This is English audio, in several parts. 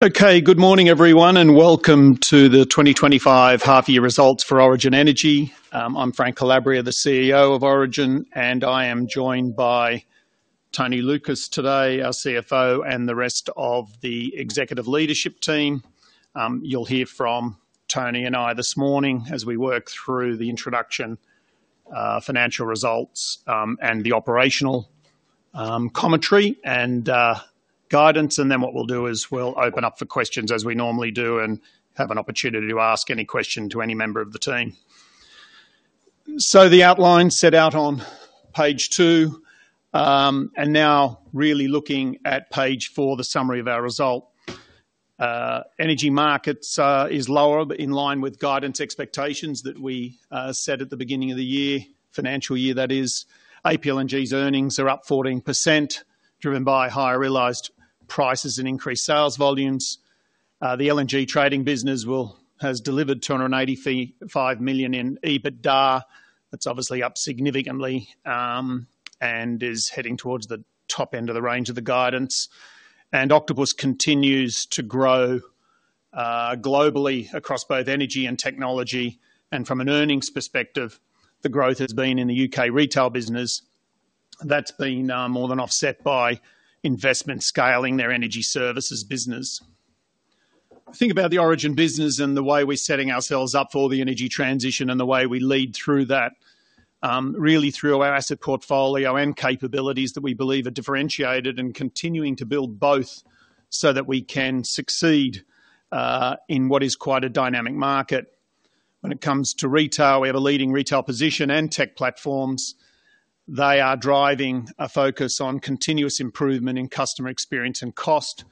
Okay, good morning everyone, and welcome to the 2025 Half-year Results for Origin Energy. I'm Frank Calabria, the CEO of Origin, and I am joined by Tony Lucas today, our CFO, and the rest of the executive leadership team. You'll hear from Tony and I this morning as we work through the introduction, financial results, and the operational commentary and guidance, and then what we'll do is we'll open up for questions as we normally do and have an opportunity to ask any question to any member of the team, so the outline set out on page two, and now really looking at page four, the summary of our result. Energy markets is lower in line with guidance expectations that we set at the beginning of the year, financial year that is. APLNG's earnings are up 14%, driven by higher realized prices and increased sales volumes. The LNG trading business has delivered 285 million in EBITDA. That's obviously up significantly and is heading towards the top end of the range of the guidance, and Octopus continues to grow globally across both energy and technology, and from an earnings perspective, the growth has been in the U.K. retail business. That's been more than offset by investment scaling their energy services business. Think about the Origin business and the way we're setting ourselves up for the energy transition and the way we lead through that, really through our asset portfolio and capabilities that we believe are differentiated and continuing to build both so that we can succeed in what is quite a dynamic market. When it comes to retail, we have a leading retail position and tech platforms. They are driving a focus on continuous improvement in customer experience and cost,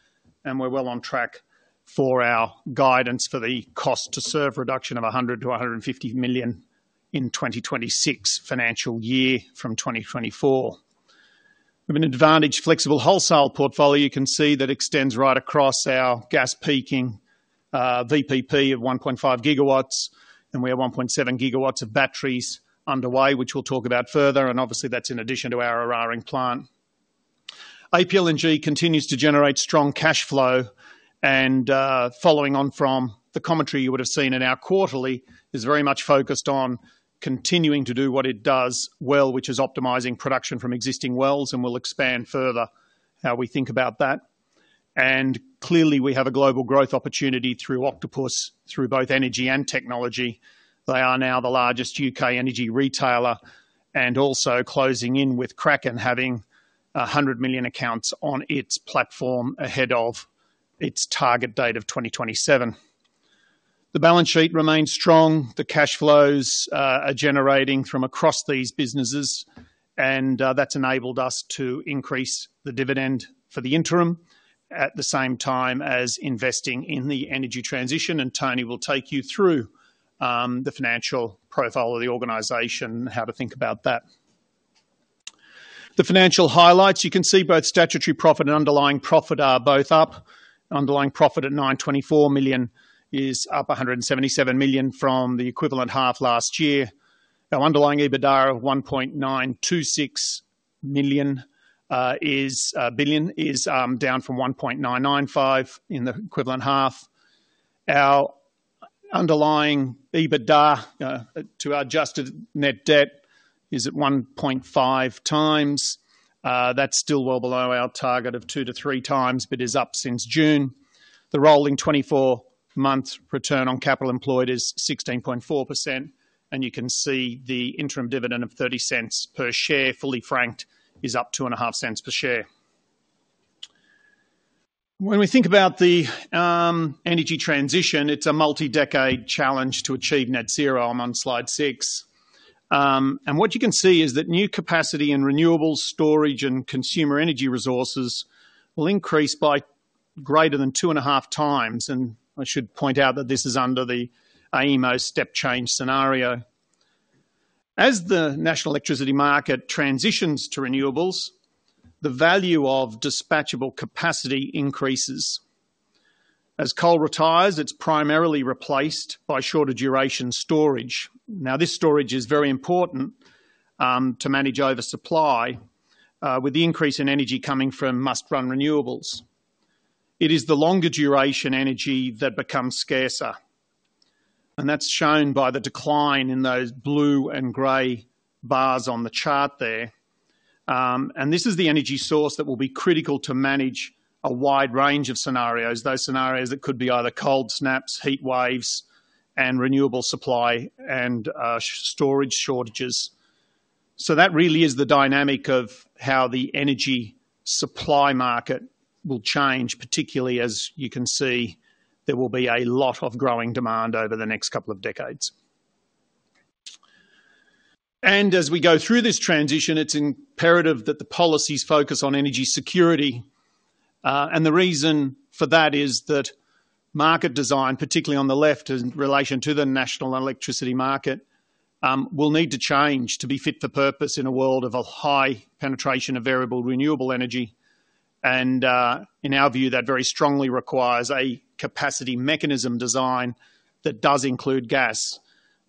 and we're well on track for our guidance for the cost to serve reduction of 100 million-150 million in 2026 financial year from 2024. We have an advantaged flexible wholesale portfolio. You can see that extends right across our gas peaking VPP of 1.5 gigawatts, and we have 1.7 gigawatts of batteries underway, which we'll talk about further. That's obviously in addition to our Eraring plant. APLNG continues to generate strong cash flow. Following on from the commentary you would have seen in our quarterly, it's very much focused on continuing to do what it does well, which is optimizing production from existing wells, and we'll expand further how we think about that. Clearly, we have a global growth opportunity through Octopus, through both energy and technology. They are now the largest UK energy retailer and also closing in with Kraken having 100 million accounts on its platform ahead of its target date of 2027. The balance sheet remains strong. The cash flows are generating from across these businesses, and that's enabled us to increase the dividend for the interim at the same time as investing in the energy transition. Tony will take you through the financial profile of the organization and how to think about that. The financial highlights, you can see both statutory profit and underlying profit are both up. Underlying profit at 924 million is up 177 million from the equivalent half last year. Our underlying EBITDA of 1,926 million is down from 1,995 million in the equivalent half. Our underlying EBITDA to our adjusted net debt is at 1.5 times. That's still well below our target of two to three times, but is up since June. The rolling 24-month return on capital employed is 16.4%. And you can see the interim dividend of 0.30 per share, fully franked, is up 0.025 per share. When we think about the energy transition, it's a multi-decade challenge to achieve net zero. I'm on slide six. And what you can see is that new capacity in renewables, storage, and consumer energy resources will increase by greater than two and a half times. And I should point out that this is under the AEMO Step Change scenario. As the national electricity market transitions to renewables, the value of dispatchable capacity increases. As coal retires, it's primarily replaced by shorter duration storage. Now, this storage is very important to manage oversupply with the increase in energy coming from must-run renewables. It is the longer duration energy that becomes scarcer, and that's shown by the decline in those blue and gray bars on the chart there. And this is the energy source that will be critical to manage a wide range of scenarios, those scenarios that could be either cold snaps, heat waves, and renewable supply and storage shortages. So that really is the dynamic of how the energy supply market will change, particularly as you can see there will be a lot of growing demand over the next couple of decades. And as we go through this transition, it's imperative that the policies focus on energy security. And the reason for that is that market design, particularly on the left in relation to the National Electricity Market, will need to change to be fit for purpose in a world of a high penetration of variable renewable energy. In our view, that very strongly requires a capacity mechanism design that does include gas,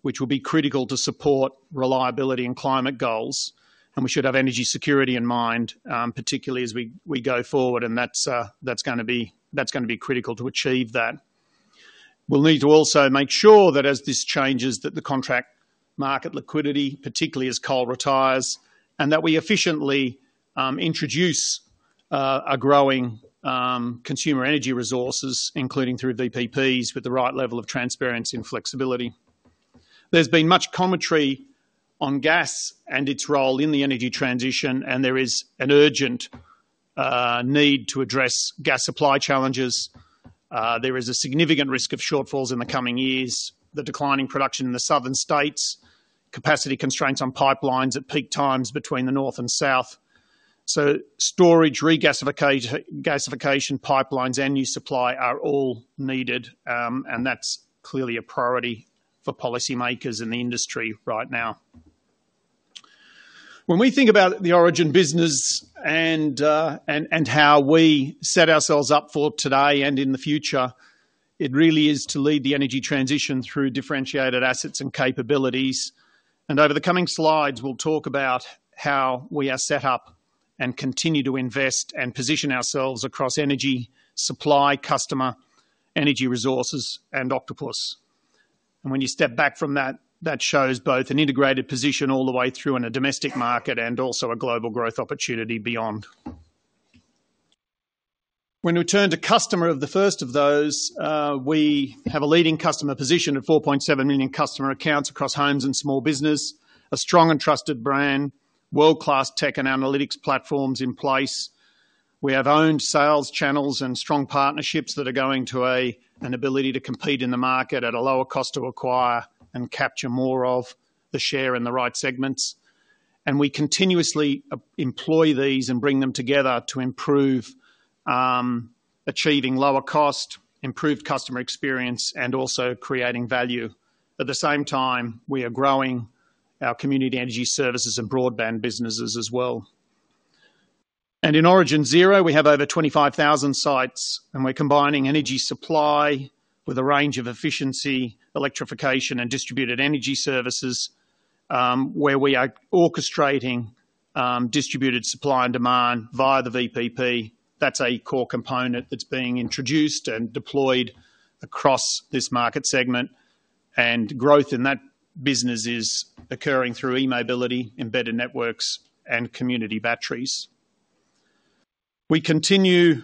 which will be critical to support reliability and climate goals. We should have energy security in mind, particularly as we go forward, and that's going to be critical to achieve that. We'll need to also make sure that as this changes, that the contract market liquidity, particularly as coal retires, and that we efficiently introduce a growing consumer energy resources, including through VPPs, with the right level of transparency and flexibility. There's been much commentary on gas and its role in the energy transition, and there is an urgent need to address gas supply challenges. There is a significant risk of shortfalls in the coming years. The declining production in the southern states, capacity constraints on pipelines at peak times between the north and south. So storage, regasification pipelines, and new supply are all needed, and that's clearly a priority for policymakers in the industry right now. When we think about the Origin business and how we set ourselves up for today and in the future, it really is to lead the energy transition through differentiated assets and capabilities. And over the coming slides, we'll talk about how we are set up and continue to invest and position ourselves across energy supply, customer, energy resources, and Octopus. And when you step back from that, that shows both an integrated position all the way through in a domestic market and also a global growth opportunity beyond. When we turn to customer of the first of those, we have a leading customer position of 4.7 million customer accounts across homes and small business, a strong and trusted brand, world-class tech and analytics platforms in place. We have owned sales channels and strong partnerships that give us the ability to compete in the market at a lower cost to acquire and capture more of the share in the right segments, and we continuously employ these and bring them together to improve, achieving lower cost, improved customer experience, and also creating value. At the same time, we are growing our Community Energy Services and broadband businesses as well, and in Origin Zero, we have over 25,000 sites, and we're combining energy supply with a range of efficiency, electrification, and distributed energy services where we are orchestrating distributed supply and demand via the VPP. That's a core component that's being introduced and deployed across this market segment, and growth in that business is occurring through e-mobility, embedded networks, and community batteries. We continue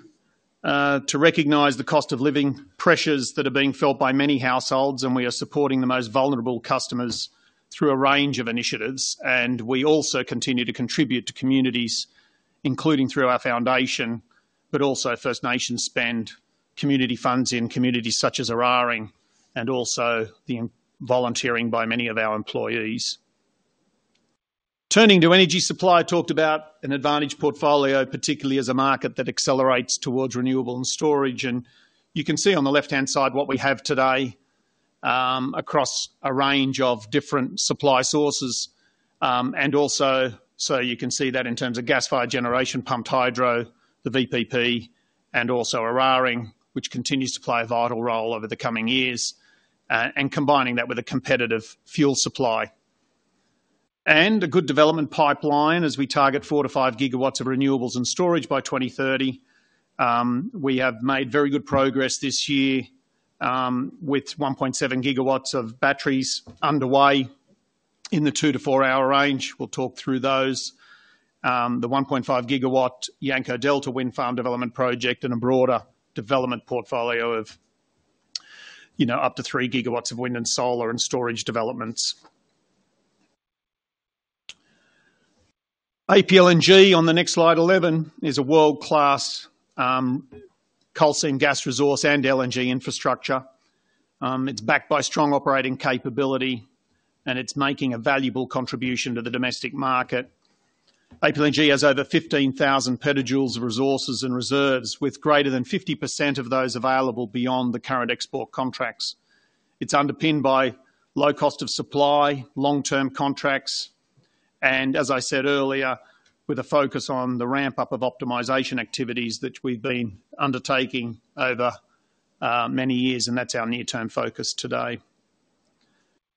to recognize the cost of living pressures that are being felt by many households, and we are supporting the most vulnerable customers through a range of initiatives, and we also continue to contribute to communities, including through our foundation, but also First Nations spend community funds in communities such as Eraring, and also the volunteering by many of our employees. Turning to energy supply, I talked about an advantaged portfolio, particularly as a market that accelerates towards renewable and storage. You can see on the left-hand side what we have today across a range of different supply sources, and also so you can see that in terms of gas-fired generation, pumped hydro, the VPP, and also Eraring, which continues to play a vital role over the coming years, and combining that with a competitive fuel supply. have a good development pipeline as we target four to five gigawatts of renewables and storage by 2030. We have made very good progress this year with 1.7 gigawatts of batteries underway in the two to four-hour range. We'll talk through those. The 1.5 gigawatt Yanco Delta wind farm development project and a broader development portfolio of up to three gigawatts of wind and solar and storage developments. APLNG on the next slide, 11, is a world-class coal seam gas resource and LNG infrastructure. It's backed by strong operating capability, and it's making a valuable contribution to the domestic market. APLNG has over 15,000 petajoules of resources and reserves, with greater than 50% of those available beyond the current export contracts. It's underpinned by low cost of supply, long-term contracts, and as I said earlier, with a focus on the ramp-up of optimization activities that we've been undertaking over many years, and that's our near-term focus today.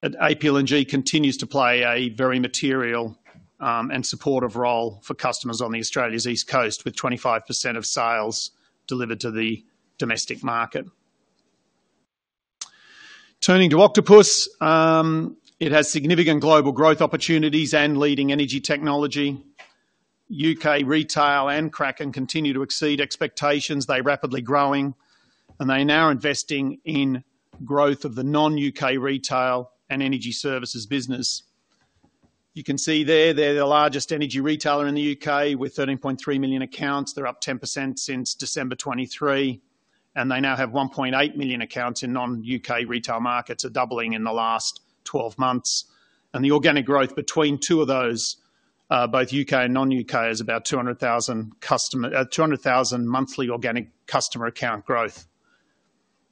APLNG continues to play a very material and supportive role for customers on Australia's East Coast, with 25% of sales delivered to the domestic market. Turning to Octopus, it has significant global growth opportunities and leading energy technology. U.K. retail and Kraken continue to exceed expectations. They're rapidly growing, and they're now investing in growth of the non-U.K. retail and energy services business. You can see there, they're the largest energy retailer in the U.K. with 13.3 million accounts. They're up 10% since December 2023, and they now have 1.8 million accounts in non-U.K. retail markets, a doubling in the last 12 months. The organic growth between two of those, both U.K. and non-U.K., is about 200,000 monthly organic customer account growth.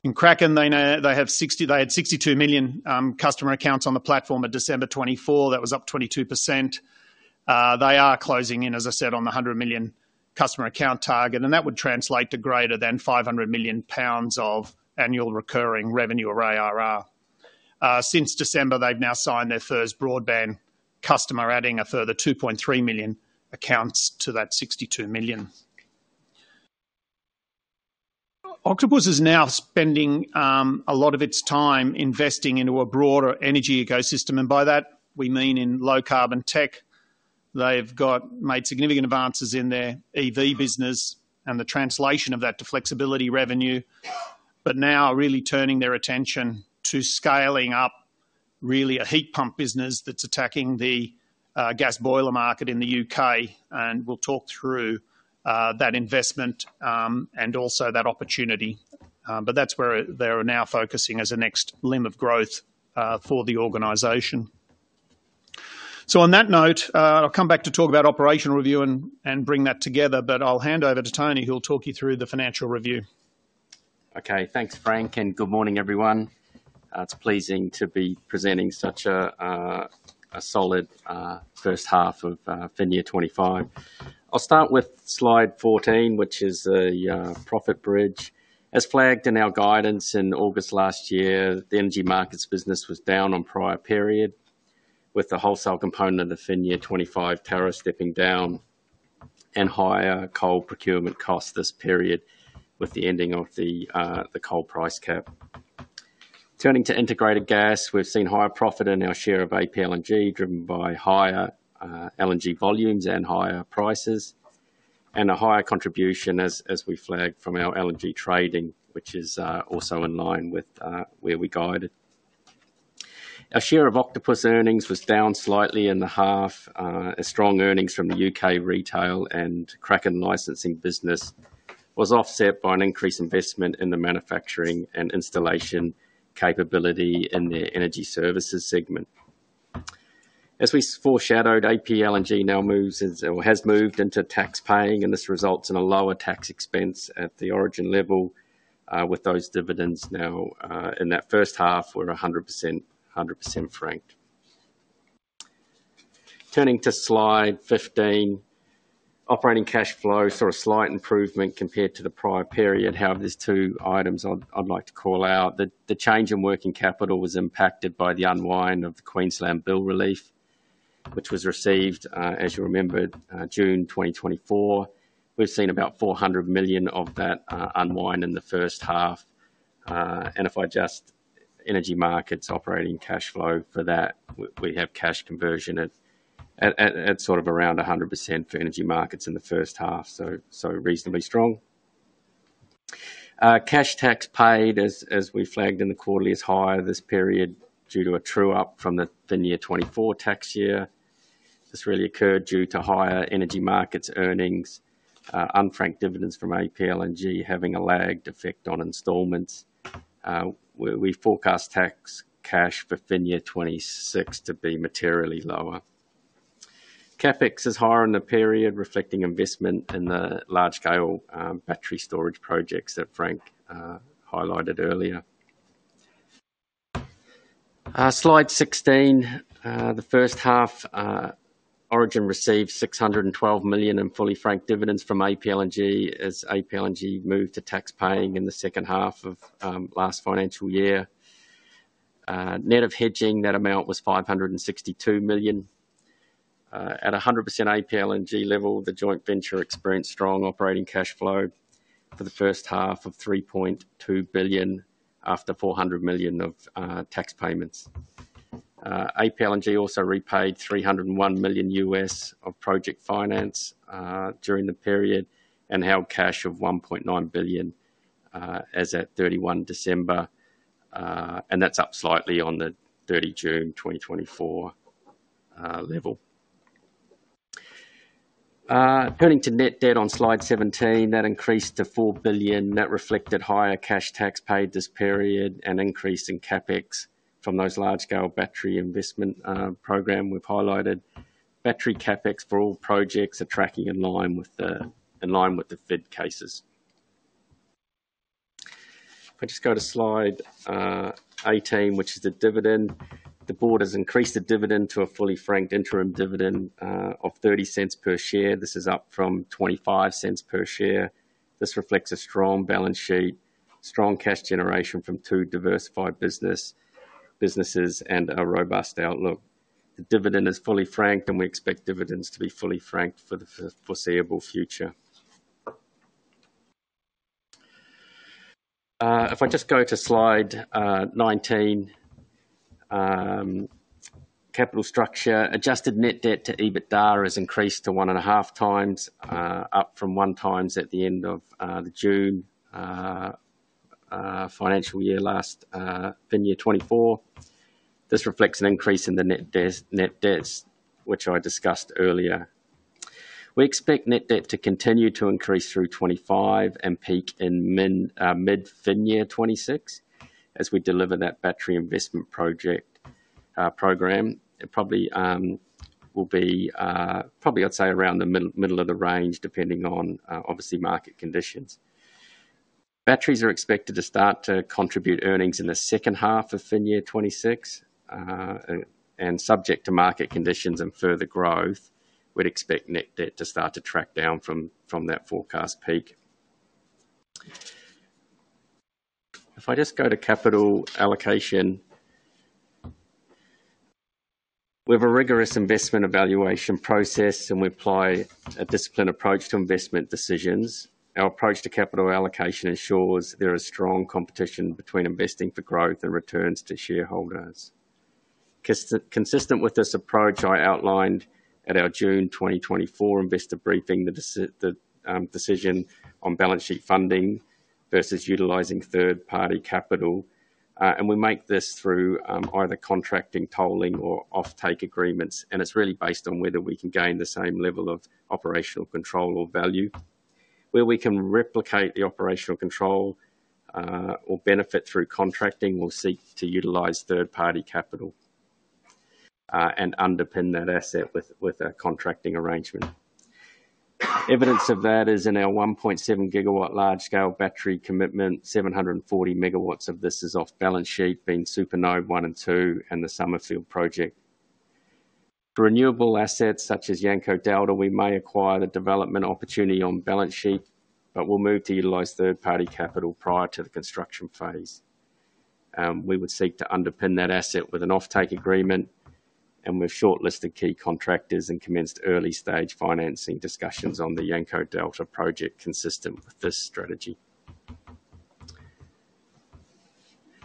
In Kraken, they had 62 million customer accounts on the platform at December 2024. That was up 22%. They are closing in, as I said, on the 100 million customer account target, and that would translate to greater than £500 million of annual recurring revenue or ARR. Since December, they have now signed their first broadband customer, adding a further 2.3 million accounts to that 62 million. Octopus is now spending a lot of its time investing into a broader energy ecosystem, and by that, we mean in low-carbon tech. They have made significant advances in their EV business and the translation of that to flexibility revenue, but now are really turning their attention to scaling up really a heat pump business that is attacking the gas boiler market in the U.K. We'll talk through that investment and also that opportunity, but that's where they're now focusing as a next limb of growth for the organization. So on that note, I'll come back to talk about operational review and bring that together, but I'll hand over to Tony, who'll talk you through the financial review. Okay, thanks, Frank, and good morning, everyone. It's pleasing to be presenting such a solid first half of the year 2025. I'll start with slide 14, which is the profit bridge. As flagged in our guidance in August last year, the Energy Markets business was down on a prior period, with the wholesale component of the year 2025 tariff stepping down and higher coal procurement costs this period with the ending of the coal price cap. Turning to integrated gas, we've seen higher profit in our share of APLNG driven by higher LNG volumes and higher prices, and a higher contribution, as we flagged, from our LNG trading, which is also in line with where we guided. Our share of Octopus earnings was down slightly in the half. Strong earnings from the U.K. retail and Kraken licensing business was offset by an increased investment in the manufacturing and installation capability in the energy services segment. As we foreshadowed, APLNG now moves or has moved into tax paying, and this results in a lower tax expense at the Origin level, with those dividends now in that first half were 100% franked. Turning to slide 15, operating cash flow saw a slight improvement compared to the prior period. However, there's two items I'd like to call out. The change in working capital was impacted by the unwind of the Queensland bill relief, which was received, as you remember, June 2024. We've seen about 400 million of that unwind in the first half. And if I just Energy Markets operating cash flow for that, we have cash conversion at sort of around 100% for Energy Markets in the first half, so reasonably strong. Cash tax paid, as we flagged in the quarter, is higher this period due to a true-up from the 2024 tax year. This really occurred due to higher Energy Markets earnings, unfranked dividends from APLNG having a lagged effect on installments. We forecast tax cash for 2026 to be materially lower. CapEx is higher in the period, reflecting investment in the large-scale battery storage projects that Frank highlighted earlier. Slide 16, the first half, Origin received 612 million in fully franked dividends from APLNG as APLNG moved to tax paying in the second half of last financial year. Net of hedging, that amount was 562 million. At 100% APLNG level, the joint venture experienced strong operating cash flow for the first half of 3.2 billion after 400 million of tax payments. APLNG also repaid $301 million of project finance during the period and held cash of 1.9 billion as at 31 December, and that's up slightly on the 30 June 2024 level. Turning to net debt on slide 17, that increased to 4 billion. That reflected higher cash tax paid this period and increase in CapEx from those large-scale battery investment program we've highlighted. Battery CapEx for all projects are tracking in line with the FID cases. If I just go to slide 18, which is the dividend, the board has increased the dividend to a fully franked interim dividend of 0.30 per share. This is up from 0.25 per share. This reflects a strong balance sheet, strong cash generation from two diversified businesses and a robust outlook. The dividend is fully franked, and we expect dividends to be fully franked for the foreseeable future. If I just go to slide 19, capital structure, adjusted net debt to EBITDA has increased to one and a half times, up from one times at the end of the June financial year last year 2024. This reflects an increase in the net debts, which I discussed earlier. We expect net debt to continue to increase through 2025 and peak in mid-financial year 2026 as we deliver that battery investment program. It probably will be, I'd say, around the middle of the range, depending on, obviously, market conditions. Batteries are expected to start to contribute earnings in the second half of financial year 2026, and subject to market conditions and further growth, we'd expect net debt to start to track down from that forecast peak. If I just go to capital allocation, we have a rigorous investment evaluation process, and we apply a disciplined approach to investment decisions. Our approach to capital allocation ensures there is strong competition between investing for growth and returns to shareholders. Consistent with this approach, I outlined at our June 2024 investor briefing the decision on balance sheet funding versus utilizing third-party capital. We make this through either contracting, tolling, or off-take agreements, and it's really based on whether we can gain the same level of operational control or value. Where we can replicate the operational control or benefit through contracting, we'll seek to utilize third-party capital and underpin that asset with a contracting arrangement. Evidence of that is in our 1.7-gigawatt large-scale battery commitment. 740 megawatts of this is off balance sheet, being SuperNode One and Two and the Summerfield project. For renewable assets such as Yanco Delta, we may acquire the development opportunity on balance sheet, but we'll move to utilize third-party capital prior to the construction phase. We would seek to underpin that asset with an off-take agreement, and we've shortlisted key contractors and commenced early-stage financing discussions on the Yanco Delta project consistent with this strategy.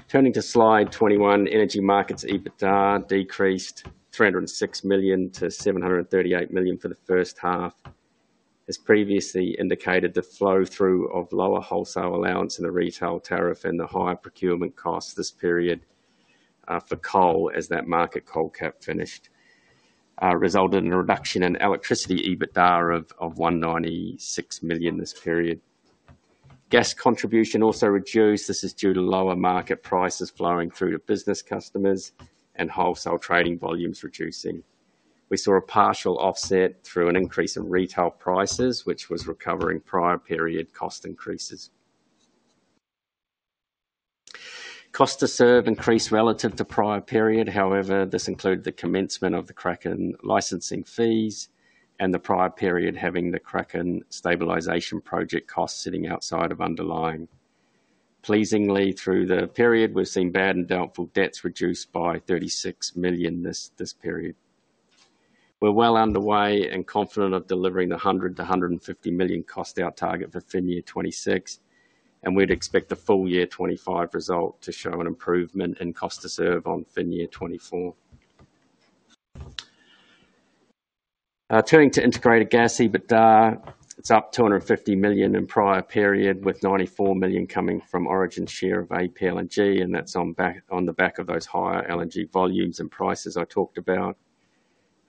Turning to slide 21, Energy Markets EBITDA decreased 306 million to 738 million for the first half. As previously indicated, the flow-through of lower wholesale allowance in the retail tariff and the higher procurement costs this period for coal, as that market coal cap finished, resulted in a reduction in electricity EBITDA of 196 million this period. Gas contribution also reduced. This is due to lower market prices flowing through to business customers and wholesale trading volumes reducing. We saw a partial offset through an increase in retail prices, which was recovering prior-period cost increases. Cost to serve increased relative to prior-period. However, this included the commencement of the Kraken licensing fees and the prior-period having the Kraken stabilization project costs sitting outside of underlying. Pleasingly, through the period, we've seen bad and doubtful debts reduced by 36 million this period. We're well underway and confident of delivering the $100 million-$150 million cost out target for fin year 2026, and we'd expect the full year 2025 result to show an improvement in cost to serve on fin year 2024. Turning to integrated gas EBITDA, it's up $250 million in prior-period, with $94 million coming from Origin's share of APLNG, and that's on the back of those higher LNG volumes and prices I talked about.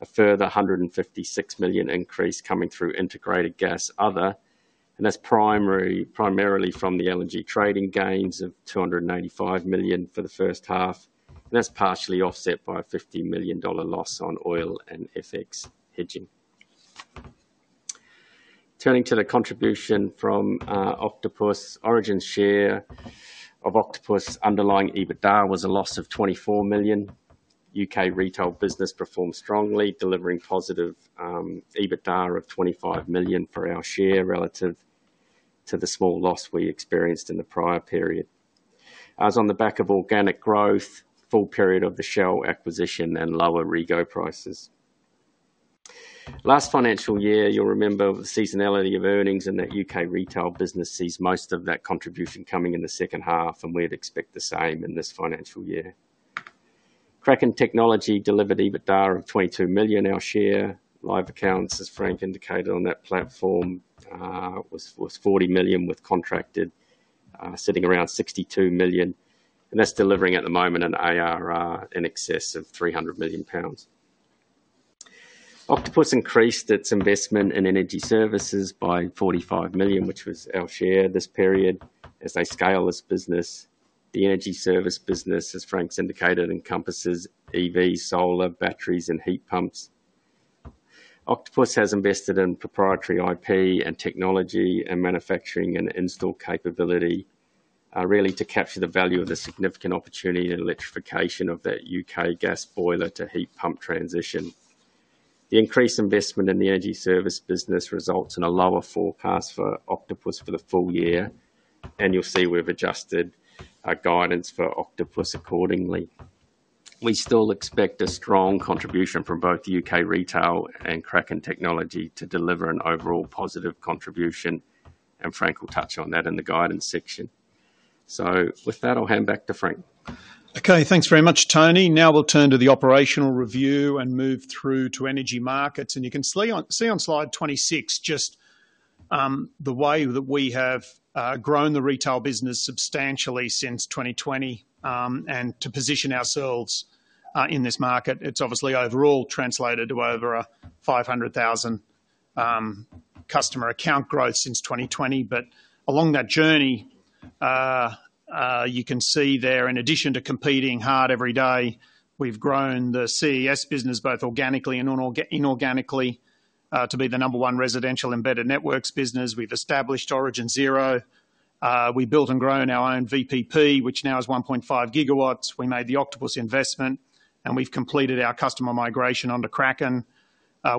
A further $156 million increase coming through Integrated Gas Other, and that's primarily from the LNG trading gains of $285 million for the first half. And that's partially offset by a $50 million loss on oil and FX hedging. Turning to the contribution from Octopus, Origin's share of Octopus' underlying EBITDA was a loss of $24 million. UK retail business performed strongly, delivering positive EBITDA of 25 million for our share relative to the small loss we experienced in the prior period. As on the back of organic growth, full period of the Shell acquisition and lower REGO prices. Last financial year, you'll remember the seasonality of earnings in that UK retail business sees most of that contribution coming in the second half, and we'd expect the same in this financial year. Kraken Technology delivered EBITDA of 22 million, our share. Live accounts, as Frank indicated on that platform, was 40 million, with contracted sitting around 62 million. And that's delivering at the moment an ARR in excess of 300 million pounds. Octopus increased its investment in energy services by 45 million, which was our share this period. As they scale this business, the energy service business, as Frank's indicated, encompasses EV, solar, batteries, and heat pumps. Octopus has invested in proprietary IP and technology and manufacturing and install capability, really to capture the value of the significant opportunity in electrification of that UK gas boiler to heat pump transition. The increased investment in the energy service business results in a lower forecast for Octopus for the full year, and you'll see we've adjusted our guidance for Octopus accordingly. We still expect a strong contribution from both UK retail and Kraken Technology to deliver an overall positive contribution, and Frank will touch on that in the guidance section. So with that, I'll hand back to Frank. Okay, thanks very much, Tony. Now we'll turn to the operational review and move through to Energy Markets. And you can see on slide 26 just the way that we have grown the retail business substantially since 2020 and to position ourselves in this market. It's obviously overall translated to over 500,000 customer account growth since 2020, but along that journey, you can see there, in addition to competing hard every day, we've grown the CES business both organically and inorganically to be the number one residential embedded networks business. We've established Origin Zero. We built and grown our own VPP, which now is 1.5 gigawatts. We made the Octopus investment, and we've completed our customer migration onto Kraken.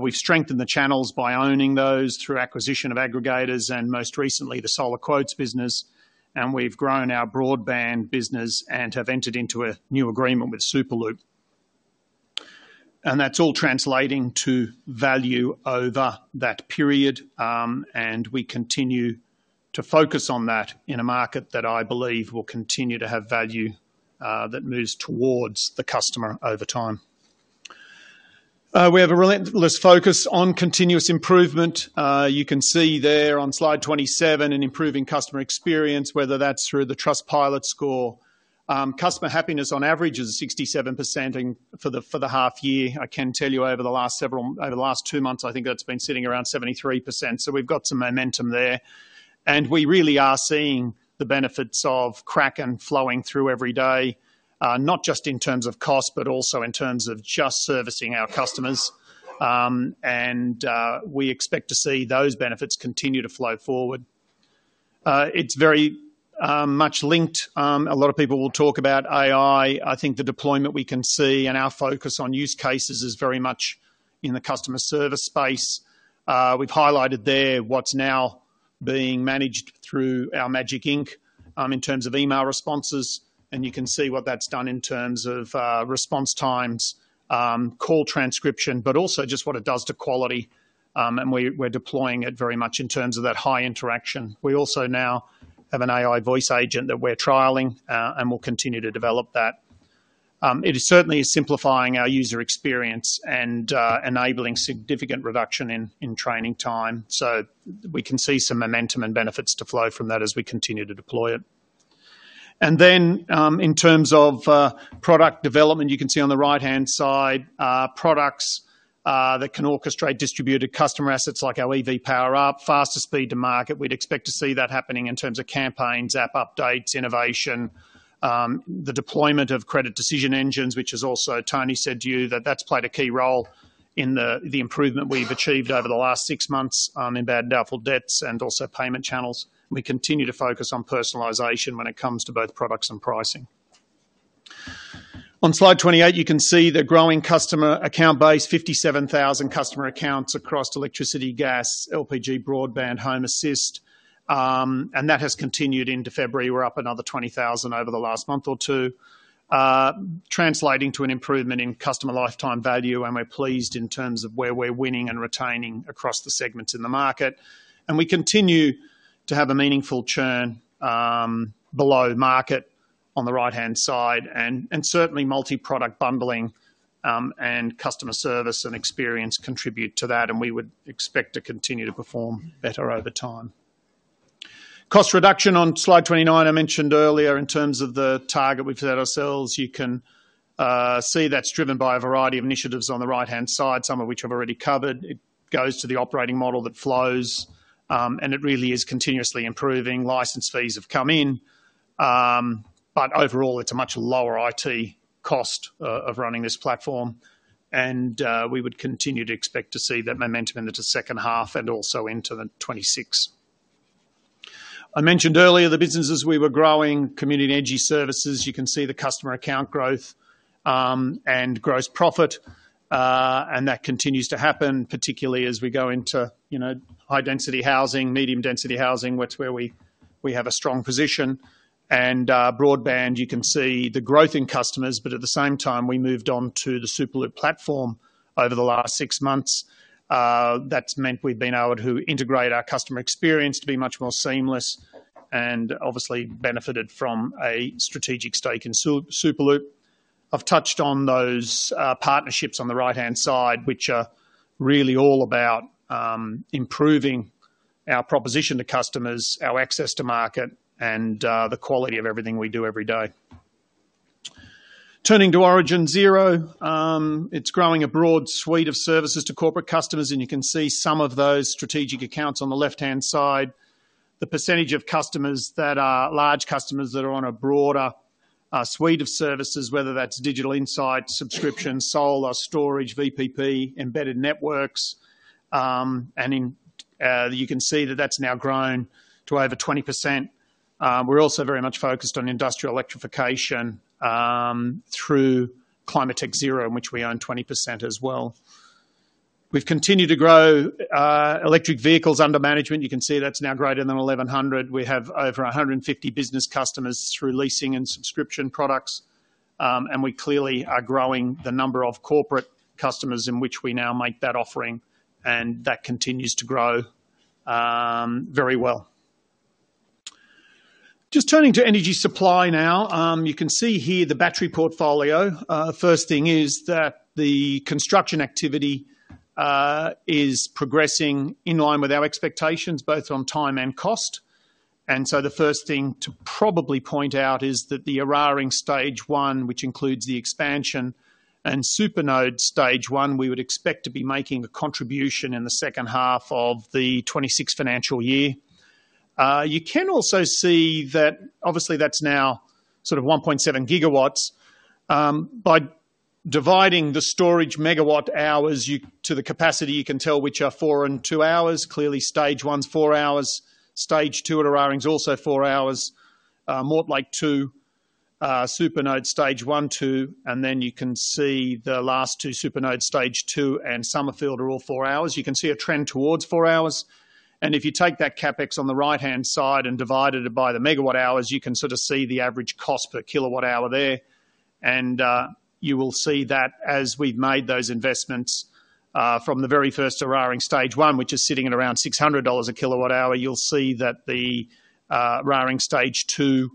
We've strengthened the channels by owning those through acquisition of aggregators and most recently the SolarQuotes business, and we've grown our broadband business and have entered into a new agreement with Superloop, and that's all translating to value over that period, and we continue to focus on that in a market that I believe will continue to have value that moves towards the customer over time. We have a relentless focus on continuous improvement. You can see there on slide 27 an improving customer experience, whether that's through the Trustpilot score. Customer happiness on average is 67% for the half year. I can tell you over the last two months, I think that's been sitting around 73%. So we've got some momentum there. And we really are seeing the benefits of Kraken flowing through every day, not just in terms of cost, but also in terms of just servicing our customers. And we expect to see those benefits continue to flow forward. It's very much linked. A lot of people will talk about AI. I think the deployment we can see and our focus on use cases is very much in the customer service space. We've highlighted there what's now being managed through our Magic Ink in terms of email responses. And you can see what that's done in terms of response times, call transcription, but also just what it does to quality. And we're deploying it very much in terms of that high interaction. We also now have an AI voice agent that we're trialing, and we'll continue to develop that. It certainly is simplifying our user experience and enabling significant reduction in training time. So we can see some momentum and benefits to flow from that as we continue to deploy it. And then in terms of product development, you can see on the right-hand side products that can orchestrate distributed customer assets like our EV Power Up, faster speed to market. We'd expect to see that happening in terms of campaigns, app updates, innovation, the deployment of credit decision engines, which is also, Tony said to you, that that's played a key role in the improvement we've achieved over the last six months in bad and doubtful debts and also payment channels. We continue to focus on personalization when it comes to both products and pricing. On slide 28, you can see the growing customer account base, 57,000 customer accounts across electricity, gas, LPG, broadband, Home Assist. And that has continued into February. We're up another 20,000 over the last month or two, translating to an improvement in customer lifetime value. And we're pleased in terms of where we're winning and retaining across the segments in the market. And we continue to have a meaningful churn below market on the right-hand side. And certainly, multi-product bundling and customer service and experience contribute to that. And we would expect to continue to perform better over time. Cost reduction on slide 29 I mentioned earlier in terms of the target we've set ourselves. You can see that's driven by a variety of initiatives on the right-hand side, some of which I've already covered. It goes to the operating model that flows, and it really is continuously improving. License fees have come in, but overall, it's a much lower IT cost of running this platform. And we would continue to expect to see that momentum in the second half and also into 2026. I mentioned earlier the businesses we were growing, Community Energy Services. You can see the customer account growth and gross profit. And that continues to happen, particularly as we go into high-density housing, medium-density housing, which is where we have a strong position. And broadband, you can see the growth in customers. But at the same time, we moved on to the Superloop platform over the last six months. That's meant we've been able to integrate our customer experience to be much more seamless and obviously benefited from a strategic stake in Superloop. I've touched on those partnerships on the right-hand side, which are really all about improving our proposition to customers, our access to market, and the quality of everything we do every day. Turning to Origin Zero, it's growing a broad suite of services to corporate customers. And you can see some of those strategic accounts on the left-hand side. The percentage of customers that are large customers that are on a broader suite of services, whether that's digital insights, subscriptions, solar, storage, VPP, embedded networks. And you can see that that's now grown to over 20%. We're also very much focused on industrial electrification through Climatech Zero, in which we own 20% as well. We've continued to grow electric vehicles under management. You can see that's now greater than 1,100. We have over 150 business customers through leasing and subscription products. And we clearly are growing the number of corporate customers in which we now make that offering. And that continues to grow very well. Just turning to energy supply now, you can see here the battery portfolio. First thing is that the construction activity is progressing in line with our expectations, both on time and cost. And so the first thing to probably point out is that the Eraring stage one, which includes the expansion and SuperNode stage one, we would expect to be making a contribution in the second half of the 2026 financial year. You can also see that obviously that's now sort of 1.7 gigawatts. By dividing the storage megawatt hours to the capacity, you can tell which are four and two hours. Clearly, stage one's four hours. Stage two at Eraring's also four hours. Mortlake two, SuperNode stage one two. And then you can see the last two SuperNode stage two and Summerfield are all four hours. You can see a trend towards four hours. And if you take that CapEx on the right-hand side and divide it by the megawatt hours, you can sort of see the average cost per kilowatt hour there. You will see that as we've made those investments from the very first Eraring stage one, which is sitting at around $600 a kilowatt hour. You'll see that the Eraring stage two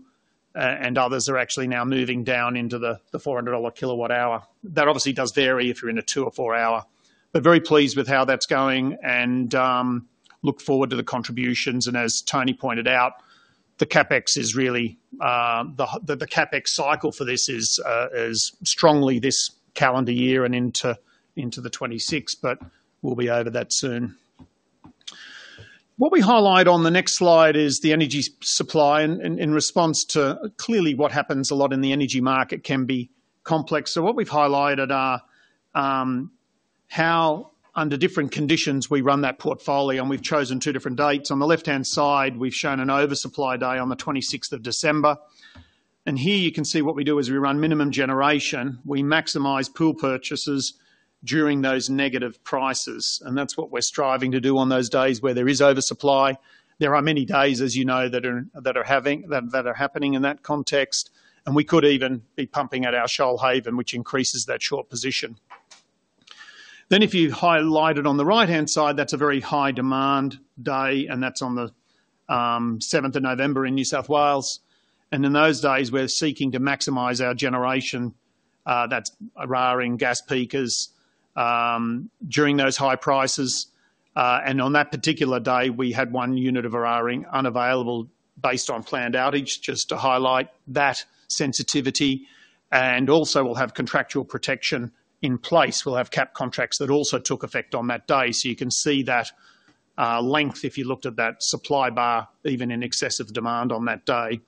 and others are actually now moving down into the $400 kilowatt hour. That obviously does vary if you're in a two or four hour. But very pleased with how that's going and look forward to the contributions. And as Tony pointed out, the CapEx is really the CapEx cycle for this is strongly this calendar year and into 2026, but we'll be over that soon. What we highlight on the next slide is the energy supply in response to clearly what happens a lot in the energy market can be complex. So what we've highlighted are how under different conditions we run that portfolio. And we've chosen two different dates. On the left-hand side, we've shown an oversupply day on the 26th of December. And here you can see what we do is we run minimum generation. We maximize pool purchases during those negative prices. And that's what we're striving to do on those days where there is oversupply. There are many days, as you know, that are happening in that context. And we could even be pumping at our Shoalhaven, which increases that short position. Then if you highlight it on the right-hand side, that's a very high demand day. And that's on the 7th of November in New South Wales. And in those days, we're seeking to maximize our generation. That's Eraring, gas peakers during those high prices. And on that particular day, we had one unit of Eraring unavailable based on planned outage, just to highlight that sensitivity. And also, we'll have contractual protection in place. We'll have cap contracts that also took effect on that day. So you can see that length if you looked at that supply bar, even in excess of demand on that day.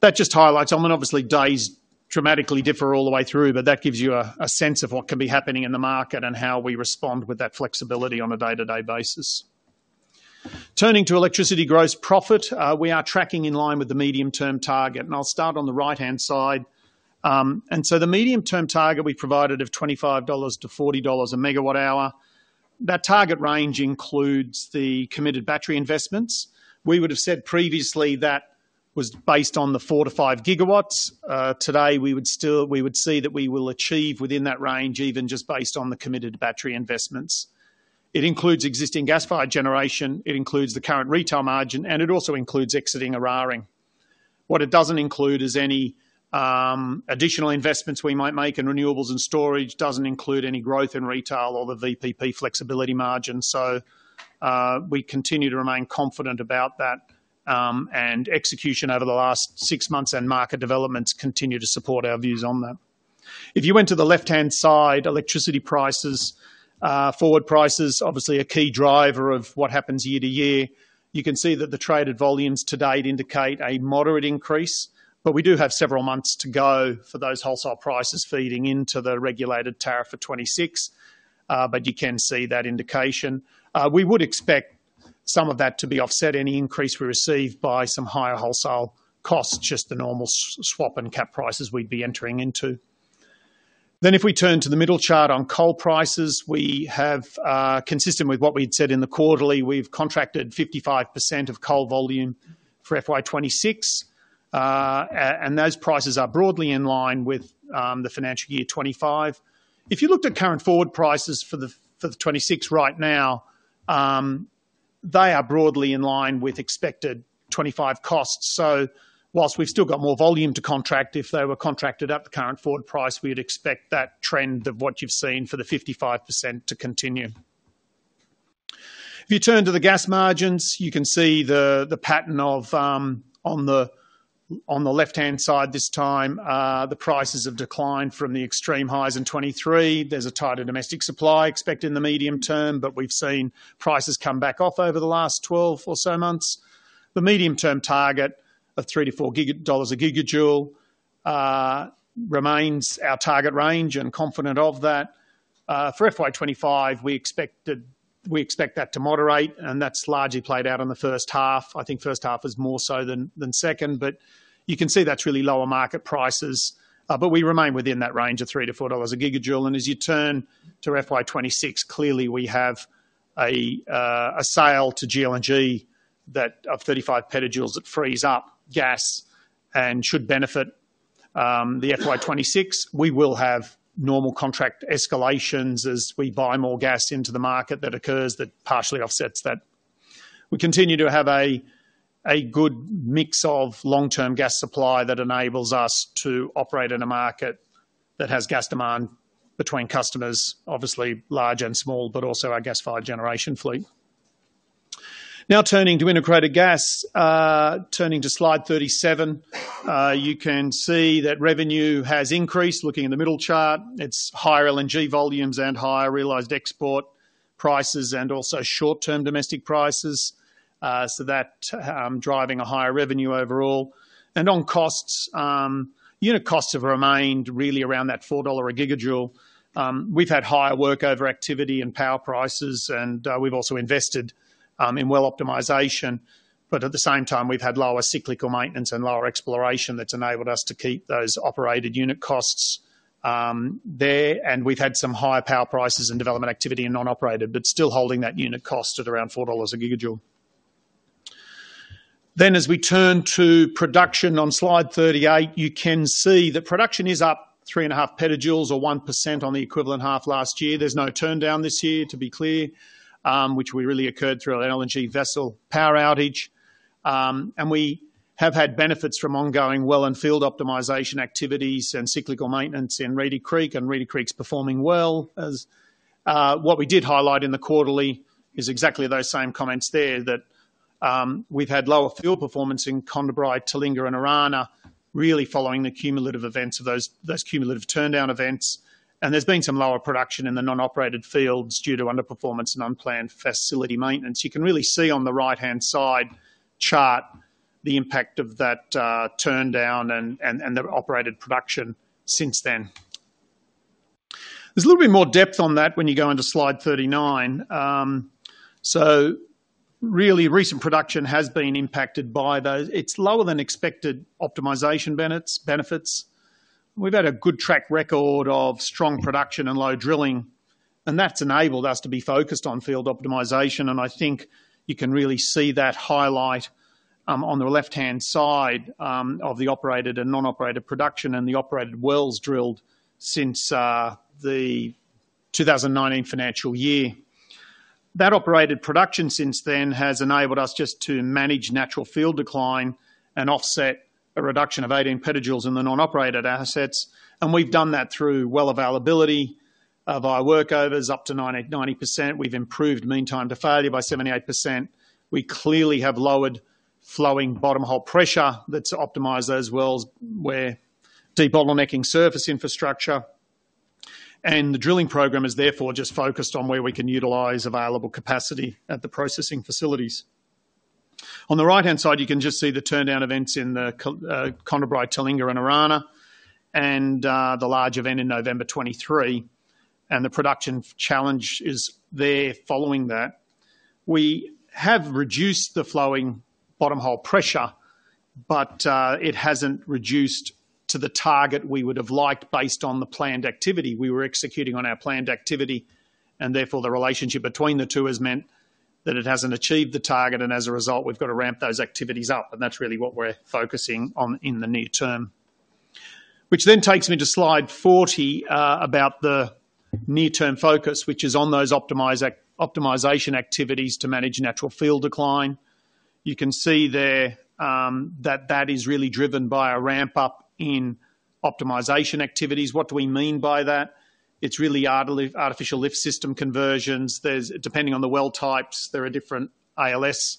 That just highlights on that obviously days dramatically differ all the way through, but that gives you a sense of what can be happening in the market and how we respond with that flexibility on a day-to-day basis. Turning to electricity gross profit, we are tracking in line with the medium-term target. And I'll start on the right-hand side. And so the medium-term target we provided of $25-$40 a megawatt hour, that target range includes the committed battery investments. We would have said previously that was based on the four to five gigawatts. Today, we would see that we will achieve within that range even just based on the committed battery investments. It includes existing gas fired generation. It includes the current retail margin. And it also includes exiting Eraring. What it doesn't include is any additional investments we might make in renewables and storage. It doesn't include any growth in retail or the VPP flexibility margin. So we continue to remain confident about that and execution over the last six months and market developments continue to support our views on that. If you went to the left-hand side, electricity prices, forward prices, obviously a key driver of what happens year to year. You can see that the traded volumes to date indicate a moderate increase. But we do have several months to go for those wholesale prices feeding into the regulated tariff for 2026. But you can see that indication. We would expect some of that to be offset any increase we receive by some higher wholesale costs, just the normal swap and cap prices we'd be entering into. Then if we turn to the middle chart on coal prices, we have, consistent with what we'd said in the quarterly, we've contracted 55% of coal volume for FY26. And those prices are broadly in line with the financial year 25. If you looked at current forward prices for the 26 right now, they are broadly in line with expected 25 costs. So while we've still got more volume to contract, if they were contracted at the current forward price, we'd expect that trend of what you've seen for the 55% to continue. If you turn to the gas margins, you can see the pattern on the left-hand side this time. The prices have declined from the extreme highs in 2023. There's a tighter domestic supply expected in the medium term, but we've seen prices come back off over the last 12 or so months. The medium-term target of $3-$4 a gigajoule remains our target range and confident of that. For FY25, we expect that to moderate. That's largely played out in the first half. I think first half is more so than second. You can see that's really lower market prices. We remain within that range of $3-$4 a gigajoule. As you turn to FY26, clearly we have a sale to GLNG of 35 petajoules that frees up gas and should benefit the FY26. We will have normal contract escalations as we buy more gas into the market that partially offsets that. We continue to have a good mix of long-term gas supply that enables us to operate in a market that has gas demand between customers, obviously large and small, but also our gas-fired generation fleet. Now turning to Integrated Gas, turning to slide 37, you can see that revenue has increased, looking at the middle chart. It's higher LNG volumes and higher realized export prices and also short-term domestic prices. So that's driving a higher revenue overall. And on costs, unit costs have remained really around that $4 a gigajoule. We've had higher workover activity and power prices. And we've also invested in well optimization. But at the same time, we've had lower cyclical maintenance and lower exploration that's enabled us to keep those operated unit costs there. And we've had some higher power prices and development activity and non-operated, but still holding that unit cost at around 4 dollars a gigajoule. Then as we turn to production on slide 38, you can see that production is up three and a half petajoules or 1% on the equivalent half last year. There's no turndown this year, to be clear, which really occurred through an LNG vessel power outage. And we have had benefits from ongoing well and field optimization activities and cyclical maintenance in Reedy Creek. And Reedy Creek's performing well. What we did highlight in the quarterly is exactly those same comments there that we've had lower field performance in Condabri, Talinga, and Orana, really following the cumulative events of those cumulative turndown events. And there's been some lower production in the non-operated fields due to underperformance and unplanned facility maintenance. You can really see on the right-hand side chart the impact of that turndown and the operated production since then. There's a little bit more depth on that when you go into slide 39, so really recent production has been impacted by those. It's lower than expected optimization benefits. We've had a good track record of strong production and low drilling, and that's enabled us to be focused on field optimization, and I think you can really see that highlight on the left-hand side of the operated and non-operated production and the operated wells drilled since the 2019 financial year. That operated production since then has enabled us just to manage natural field decline and offset a reduction of 18 petajoules in the non-operated assets, and we've done that through well availability via workovers up to 90%. We've improved meantime to failure by 78%. We clearly have lowered flowing bottom hole pressure that's optimized those wells where deep bottlenecking surface infrastructure. And the drilling program is therefore just focused on where we can utilize available capacity at the processing facilities. On the right-hand side, you can just see the turndown events in the Condabri, Talinga, and Orana, and the large event in November 2023. And the production challenge is there following that. We have reduced the flowing bottom hole pressure, but it hasn't reduced to the target we would have liked based on the planned activity. We were executing on our planned activity. And therefore, the relationship between the two has meant that it hasn't achieved the target. And as a result, we've got to ramp those activities up. And that's really what we're focusing on in the near term. Which then takes me to slide 40 about the near-term focus, which is on those optimization activities to manage natural field decline. You can see there that that is really driven by a ramp-up in optimization activities. What do we mean by that? It's really artificial lift system conversions. Depending on the well types, there are different ALS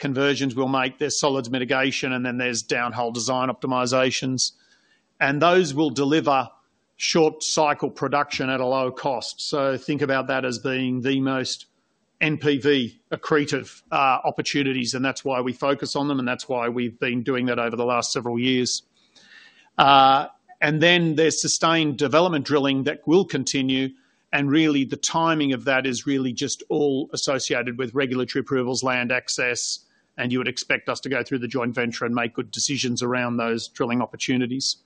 conversions we'll make. There's solids mitigation. And then there's downhole design optimizations. And those will deliver short-cycle production at a low cost. So think about that as being the most NPV accretive opportunities. And that's why we focus on them. And that's why we've been doing that over the last several years. And then there's sustained development drilling that will continue. And really, the timing of that is really just all associated with regulatory approvals, land access. You would expect us to go through the joint venture and make good decisions around those drilling opportunities.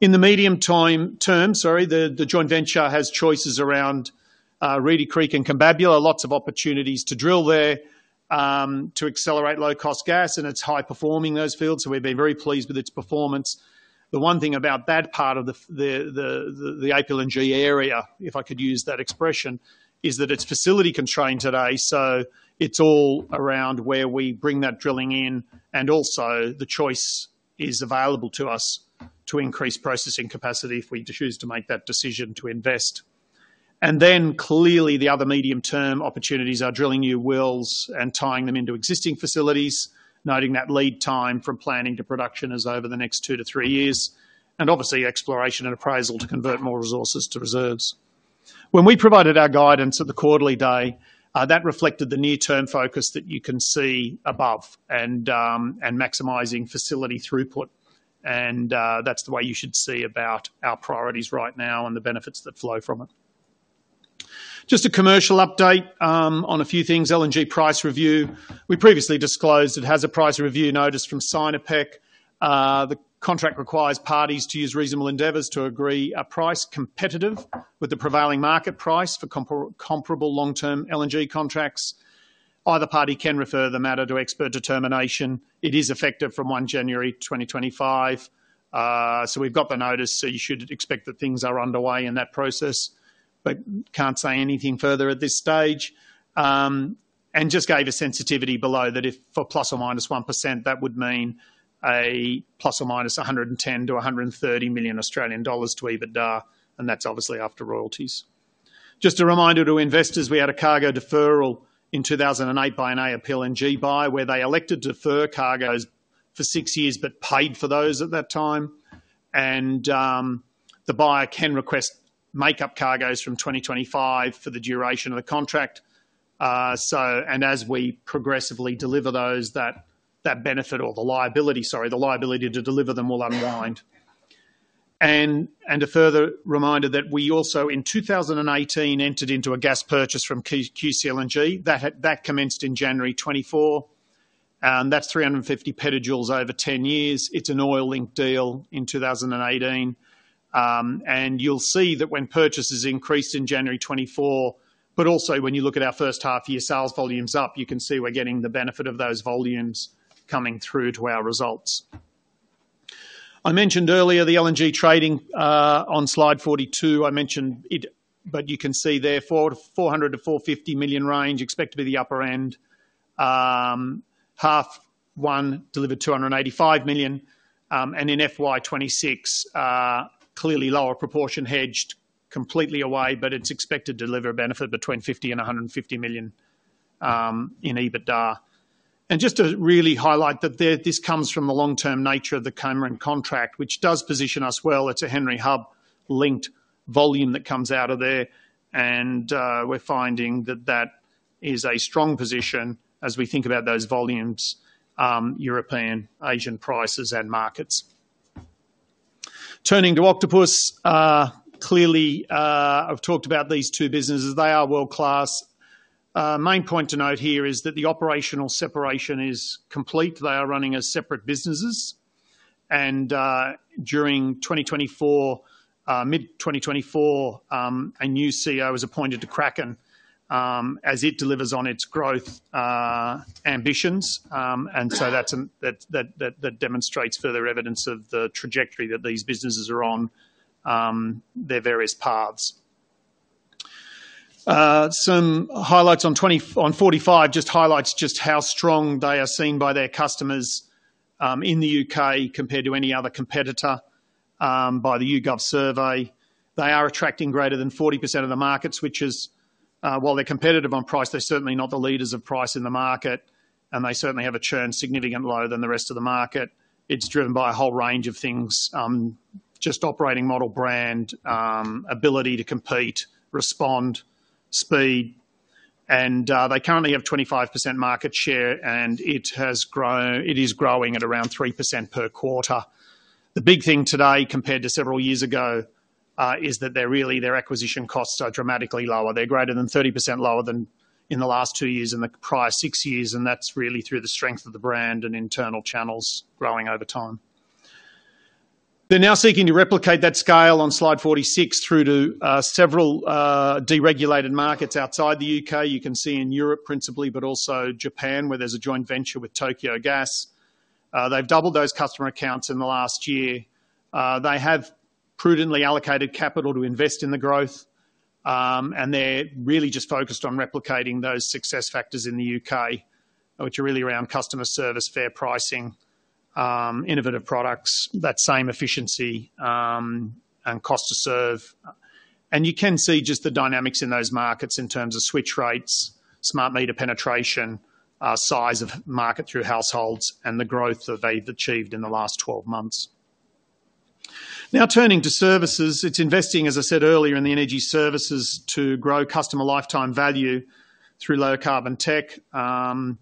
In the medium term, sorry, the joint venture has choices around Reedy Creek and Combabula. Lots of opportunities to drill there to accelerate low-cost gas. And it's high-performing those fields. So we've been very pleased with its performance. The one thing about that part of the APLNG area, if I could use that expression, is that it's facility constrained today. So it's all around where we bring that drilling in. And also, the choice is available to us to increase processing capacity if we choose to make that decision to invest. And then clearly, the other medium-term opportunities are drilling new wells and tying them into existing facilities, noting that lead time from planning to production is over the next two to three years. And obviously, exploration and appraisal to convert more resources to reserves. When we provided our guidance at the quarterly day, that reflected the near-term focus that you can see above and maximizing facility throughput. And that's the way you should see about our priorities right now and the benefits that flow from it. Just a commercial update on a few things. LNG price review. We previously disclosed it has a price review notice from Sinopec. The contract requires parties to use reasonable endeavors to agree a price competitive with the prevailing market price for comparable long-term LNG contracts. Either party can refer the matter to expert determination. It is effective from 1 January 2025. So we've got the notice. So you should expect that things are underway in that process. But can't say anything further at this stage. We just gave a sensitivity below that if for ±1%, that would mean a ± 110 million-130 million Australian dollars to EBITDA. That's obviously after royalties. Just a reminder to investors, we had a cargo deferral in 2008 by an APLNG buyer where they elected to defer cargoes for six years but paid for those at that time. The buyer can request makeup cargoes from 2025 for the duration of the contract. As we progressively deliver those, that benefit or the liability, sorry, the liability to deliver them will unwind. A further reminder that we also in 2018 entered into a gas purchase from QCLNG. That commenced in January 2024. That's 350 petajoules over 10 years. It's an oil-linked deal in 2018. You'll see that when purchases increased in January 2024, but also when you look at our first half-year sales volumes up, you can see we're getting the benefit of those volumes coming through to our results. I mentioned earlier the LNG trading on slide 42. I mentioned it, but you can see there 400 million-450 million range, expected to be the upper end. Half one delivered 285 million. And in FY2026, clearly lower proportion hedged completely away, but it's expected to deliver a benefit between 50 million and 150 million in EBITDA. And just to really highlight that this comes from the long-term nature of the Cameron contract, which does position us well. It's a Henry Hub-linked volume that comes out of there. And we're finding that that is a strong position as we think about those volumes, European, Asian prices, and markets. Turning to Octopus, clearly, I've talked about these two businesses. They are world-class. Main point to note here is that the operational separation is complete. They are running as separate businesses, and during 2024, mid-2024, a new CEO was appointed to Kraken as it delivers on its growth ambitions, and so that demonstrates further evidence of the trajectory that these businesses are on, their various paths. Some highlights on 45 just how strong they are seen by their customers in the UK compared to any other competitor by the YouGov survey. They are attracting greater than 40% of the markets, which is, while they're competitive on price, they're certainly not the leaders of price in the market, and they certainly have a churn significantly lower than the rest of the market. It's driven by a whole range of things, just operating model, brand, ability to compete, respond, speed. They currently have 25% market share. It is growing at around 3% per quarter. The big thing today compared to several years ago is that really their acquisition costs are dramatically lower. They're greater than 30% lower than in the last two years and the prior six years. That's really through the strength of the brand and internal channels growing over time. They're now seeking to replicate that scale on slide 46 through to several deregulated markets outside the U.K. You can see in Europe principally, but also Japan where there's a joint venture with Tokyo Gas. They've doubled those customer accounts in the last year. They have prudently allocated capital to invest in the growth. They're really just focused on replicating those success factors in the U.K., which are really around customer service, fair pricing, innovative products, that same efficiency and cost to serve. You can see just the dynamics in those markets in terms of switch rates, smart meter penetration, size of market through households, and the growth that they've achieved in the last 12 months. Now turning to services, it's investing, as I said earlier, in the energy services to grow customer lifetime value through low-carbon tech, heat pumps,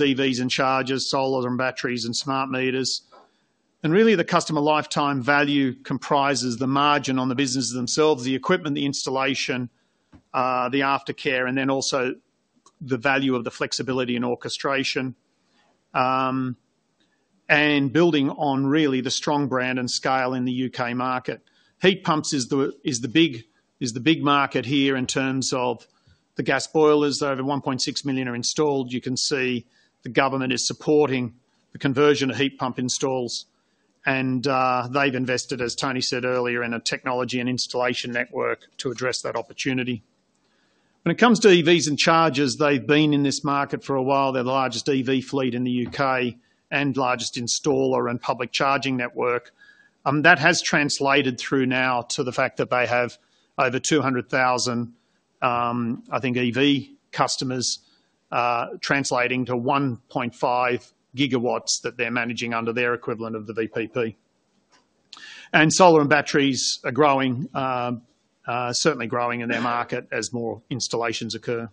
EVs and chargers, solar and batteries, and smart meters. And really, the customer lifetime value comprises the margin on the businesses themselves, the equipment, the installation, the aftercare, and then also the value of the flexibility and orchestration. And building on really the strong brand and scale in the U.K. market. Heat pumps is the big market here in terms of the gas boilers. Over 1.6 million are installed. You can see the government is supporting the conversion of heat pump installs. They've invested, as Tony said earlier, in a technology and installation network to address that opportunity. When it comes to EVs and chargers, they've been in this market for a while. They're the largest EV fleet in the U.K. and largest installer and public charging network. That has translated through now to the fact that they have over 200,000, I think, EV customers translating to 1.5 gigawatts that they're managing under their equivalent of the VPP. Solar and batteries are growing, certainly growing in their market as more installations occur.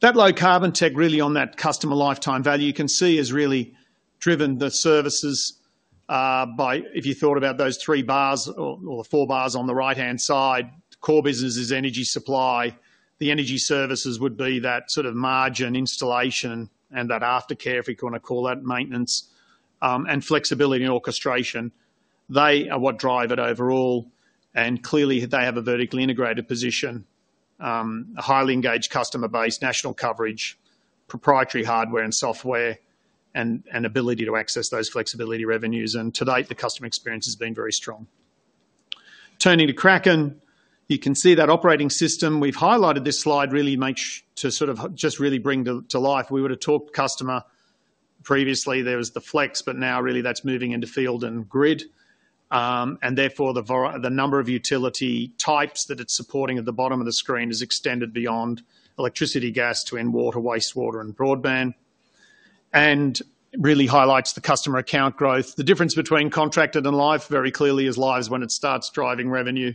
That low-carbon tech really on that customer lifetime value you can see has really driven the services by, if you thought about those three bars or the four bars on the right-hand side, core business is energy supply. The energy services would be that sort of margin, installation, and that aftercare, if you want to call that maintenance, and flexibility and orchestration. They are what drive it overall, and clearly, they have a vertically integrated position, a highly engaged customer base, national coverage, proprietary hardware and software, and ability to access those flexibility revenues, and to date, the customer experience has been very strong. Turning to Kraken, you can see that operating system we've highlighted this slide really makes to sort of just really bring to life. We were to talk customer previously, there was the flex, but now really that's moving into field and grid, and therefore, the number of utility types that it's supporting at the bottom of the screen is extended beyond electricity, gas, and then water, wastewater, and broadband, and really highlights the customer account growth. The difference between contracted and live, very clearly, is live is when it starts driving revenue.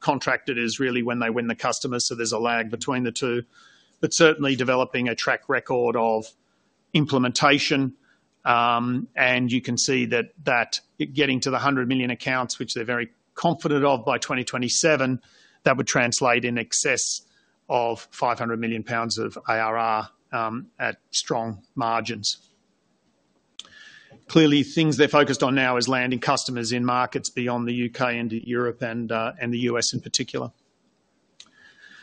Contracted is really when they win the customer. So there's a lag between the two. But certainly developing a track record of implementation. And you can see that getting to the 100 million accounts, which they're very confident of by 2027, that would translate in excess of 500 million pounds of ARR at strong margins. Clearly, things they're focused on now is landing customers in markets beyond the U.K. and Europe and the U.S. in particular.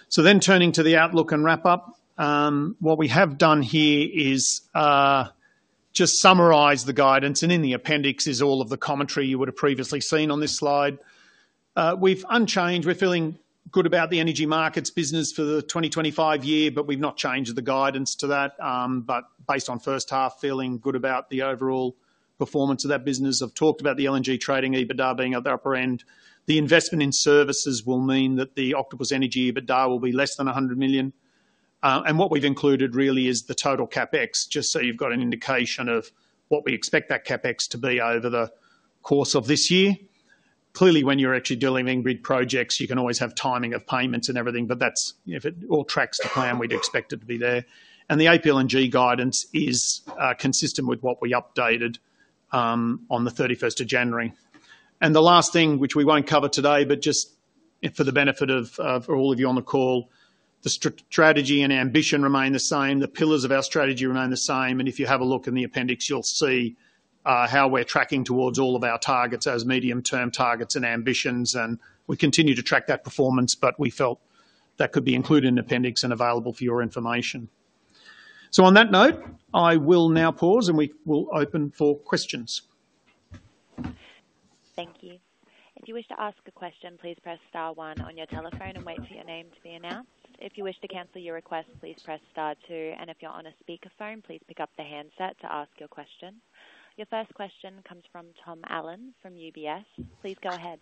So then turning to the outlook and wrap-up, what we have done here is just summarize the guidance. And in the appendix is all of the commentary you would have previously seen on this slide. We've unchanged. We're feeling good about the Energy Markets business for the 2025 year, but we've not changed the guidance to that. But based on first half, feeling good about the overall performance of that business. I've talked about the LNG trading EBITDA being at the upper end. The investment in services will mean that the Octopus Energy EBITDA will be less than 100 million. And what we've included really is the total CapEx, just so you've got an indication of what we expect that CapEx to be over the course of this year. Clearly, when you're actually dealing with grid projects, you can always have timing of payments and everything. But that's if it all tracks the plan, we'd expect it to be there. And the APLNG guidance is consistent with what we updated on the 31st of January. And the last thing, which we won't cover today, but just for the benefit of all of you on the call, the strategy and ambition remain the same. The pillars of our strategy remain the same. And if you have a look in the appendix, you'll see how we're tracking towards all of our targets as medium-term targets and ambitions. And we continue to track that performance, but we felt that could be included in the appendix and available for your information. So on that note, I will now pause and we will open for questions. Thank you. If you wish to ask a question, please press star one on your telephone and wait for your name to be announced. If you wish to cancel your request, please press star two. And if you're on a speakerphone, please pick up the handset to ask your question. Your first question comes from Tom Allen from UBS. Please go ahead.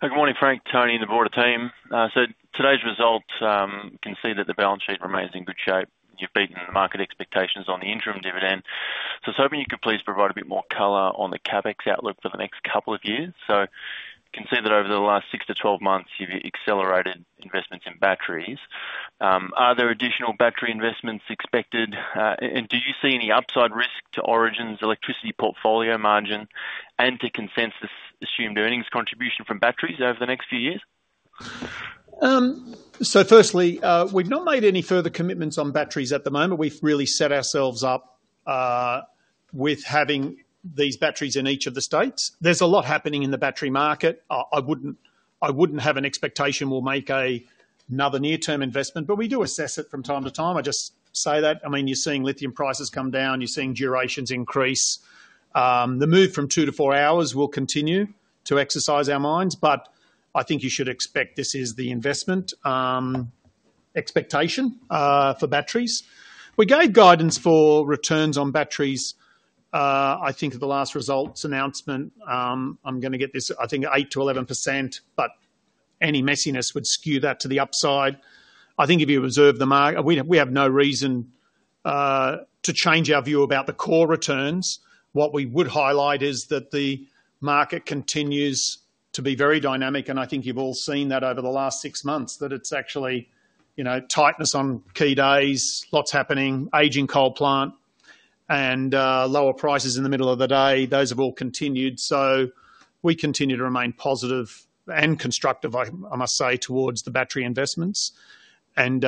Good morning, Frank. Tony and the board team. So today's results, you can see that the balance sheet remains in good shape. You've beaten market expectations on the interim dividend. So I was hoping you could please provide a bit more color on the CapEx outlook for the next couple of years. So you can see that over the last 6-12 months, you've accelerated investments in batteries. Are there additional battery investments expected? And do you see any upside risk to Origin's electricity portfolio margin and to consensus assumed earnings contribution from batteries over the next few years? So firstly, we've not made any further commitments on batteries at the moment. We've really set ourselves up with having these batteries in each of the states. There's a lot happening in the battery market. I wouldn't have an expectation we'll make another near-term investment, but we do assess it from time to time. I just say that. I mean, you're seeing lithium prices come down. You're seeing durations increase. The move from two to four hours will continue to exercise our minds. But I think you should expect this is the investment expectation for batteries. We gave guidance for returns on batteries. I think the last results announcement, I'm going to get this, I think 8%-11%, but any messiness would skew that to the upside. I think if you observe the market, we have no reason to change our view about the core returns. What we would highlight is that the market continues to be very dynamic, and I think you've all seen that over the last six months, that it's actually tightness on key days, lots happening, aging coal plant, and lower prices in the middle of the day. Those have all continued, so we continue to remain positive and constructive, I must say, towards the battery investments, and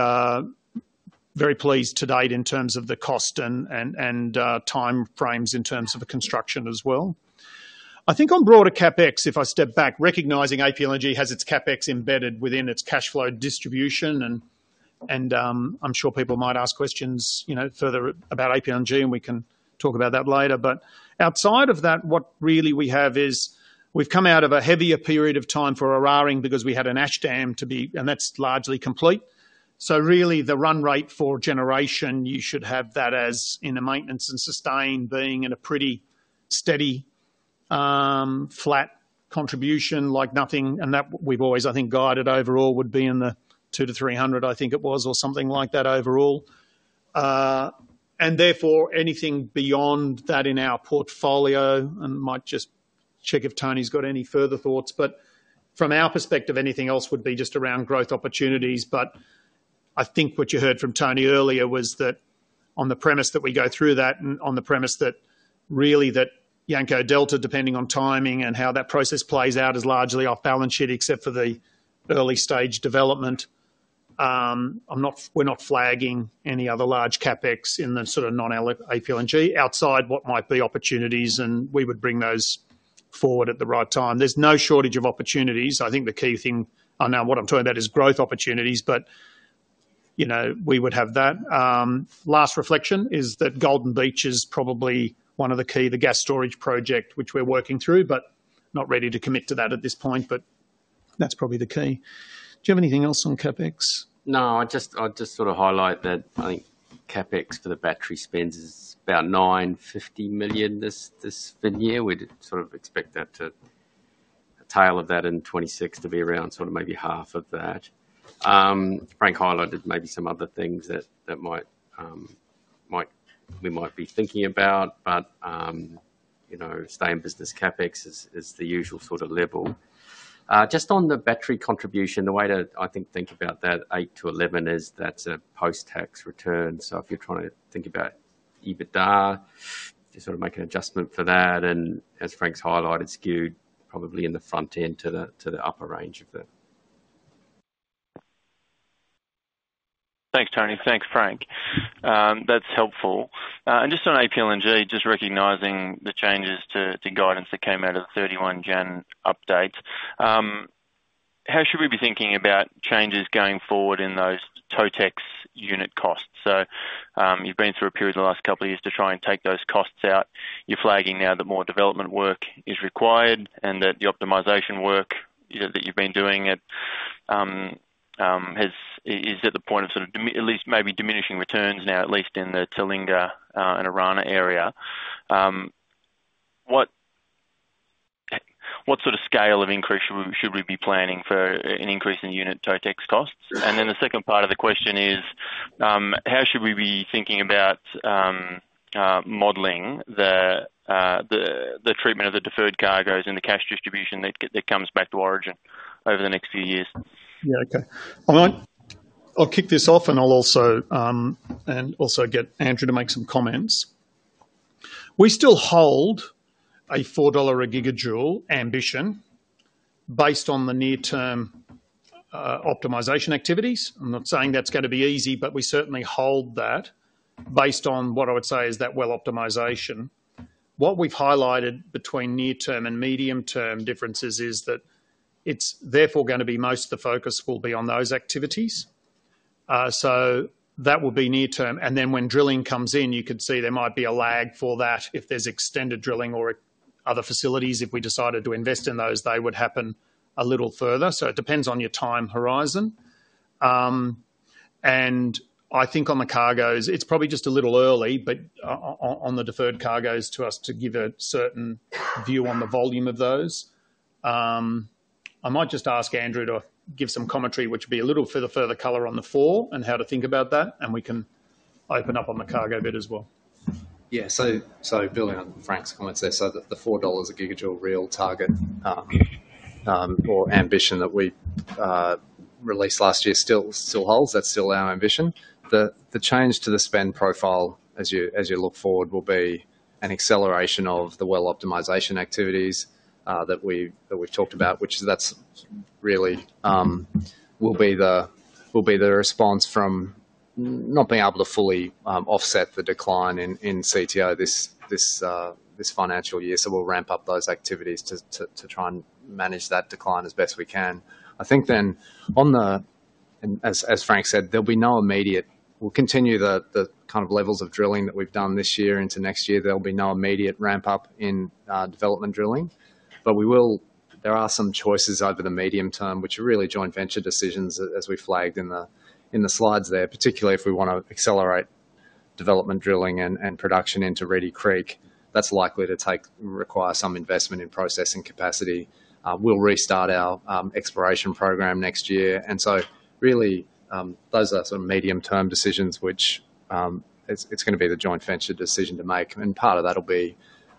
very pleased to date in terms of the cost and time frames in terms of the construction as well. I think on broader CapEx, if I step back, recognizing APLNG has its CapEx embedded within its cash flow distribution, and I'm sure people might ask questions further about APLNG, and we can talk about that later. But outside of that, what really we have is we've come out of a heavier period of time for Eraring because we had an ash dam to be, and that's largely complete. So really the run rate for generation, you should have that as in the maintenance and sustain being in a pretty steady, flat contribution like nothing. And that we've always, I think, guided overall would be in the 200 to 300, I think it was, or something like that overall. And therefore, anything beyond that in our portfolio, and might just check if Tony's got any further thoughts. But from our perspective, anything else would be just around growth opportunities. But I think what you heard from Tony earlier was that on the premise that we go through that and on the premise that really that Yanco Delta, depending on timing and how that process plays out, is largely off balance sheet except for the early stage development. We're not flagging any other large CapEx in the sort of non-APLNG outside what might be opportunities, and we would bring those forward at the right time. There's no shortage of opportunities. I think the key thing now what I'm talking about is growth opportunities, but we would have that. Last reflection is that Golden Beach is probably one of the key, the gas storage project, which we're working through, but not ready to commit to that at this point, but that's probably the key. Do you have anything else on CapEx? No, I'll just sort of highlight that I think CapEx for the battery spends is about 950 million this year. We'd sort of expect that to tail off in 2026 to be around sort of maybe half of that. Frank highlighted maybe some other things that we might be thinking about, but stay-in-business CapEx is the usual sort of level. Just on the battery contribution, the way to, I think, think about that 8 to 11 is that's a post-tax return. So if you're trying to think about EBITDA, just sort of make an adjustment for that. And as Frank's highlighted, skewed probably in the front end to the upper range of that. Thanks, Tony. Thanks, Frank. That's helpful. And just on APLNG, just recognizing the changes to guidance that came out of the 31 Jan update, how should we be thinking about changes going forward in those totex unit costs? So you've been through a period in the last couple of years to try and take those costs out. You're flagging now that more development work is required and that the optimization work that you've been doing is at the point of sort of at least maybe diminishing returns now, at least in the Talinga and Orana area. What sort of scale of increase should we be planning for an increase in unit totex costs? And then the second part of the question is, how should we be thinking about modeling the treatment of the deferred cargoes and the cash distribution that comes back to Origin over the next few years? Yeah, okay. I'll kick this off and I'll also get Andrew to make some comments. We still hold a $4 a gigajoule ambition based on the near-term optimization activities. I'm not saying that's going to be easy, but we certainly hold that based on what I would say is that well optimization. What we've highlighted between near-term and medium-term differences is that it's therefore going to be most of the focus will be on those activities. So that will be near-term. And then when drilling comes in, you could see there might be a lag for that. If there's extended drilling or other facilities, if we decided to invest in those, they would happen a little further. So it depends on your time horizon. And I think on the cargoes, it's probably just a little early, but on the deferred cargoes to us to give a certain view on the volume of those. I might just ask Andrew to give some commentary, which would be a little further color on the four and how to think about that. And we can open up on the cargo bit as well. Yeah, so building on Frank's comments there, so the 4 dollars a gigajoule real target or ambition that we released last year still holds. That's still our ambition. The change to the spend profile as you look forward will be an acceleration of the well optimization activities that we've talked about, which that's really will be the response from not being able to fully offset the decline in C2P this financial year. So we'll ramp up those activities to try and manage that decline as best we can. I think then on the, as Frank said, there'll be no immediate. We'll continue the kind of levels of drilling that we've done this year into next year. There'll be no immediate ramp-up in development drilling. But there are some choices over the medium term, which are really joint venture decisions as we flagged in the slides there, particularly if we want to accelerate development drilling and production into Reedy Creek. That's likely to require some investment in processing capacity. We'll restart our exploration program next year. And so really those are sort of medium-term decisions, which it's going to be the joint venture decision to make. And part of that will be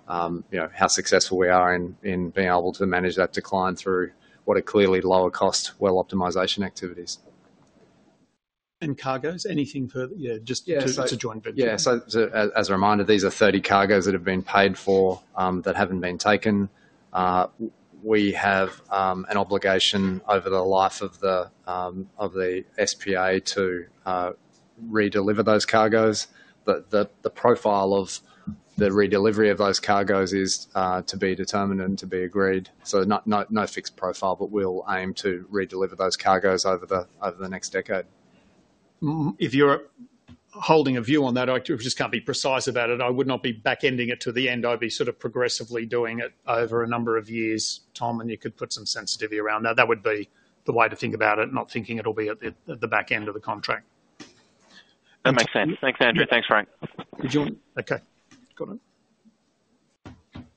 how successful we are in being able to manage that decline through what are clearly lower-cost well optimization activities. And cargoes, anything further? Yeah, just to joint venture. Yeah, so as a reminder, these are 30 cargoes that have been paid for that haven't been taken. We have an obligation over the life of the SPA to redeliver those cargoes. The profile of the redelivery of those cargoes is to be determined and to be agreed. So no fixed profile, but we'll aim to redeliver those cargoes over the next decade. If you're holding a view on that, I just can't be precise about it. I would not be back-ending it to the end. I'd be sort of progressively doing it over a number of years, Tom, and you could put some sensitivity around that. That would be the way to think about it, not thinking it'll be at the back end of the contract. That makes sense. Thanks, Andrew. Thanks, Frank. Did you want? Okay. Got it.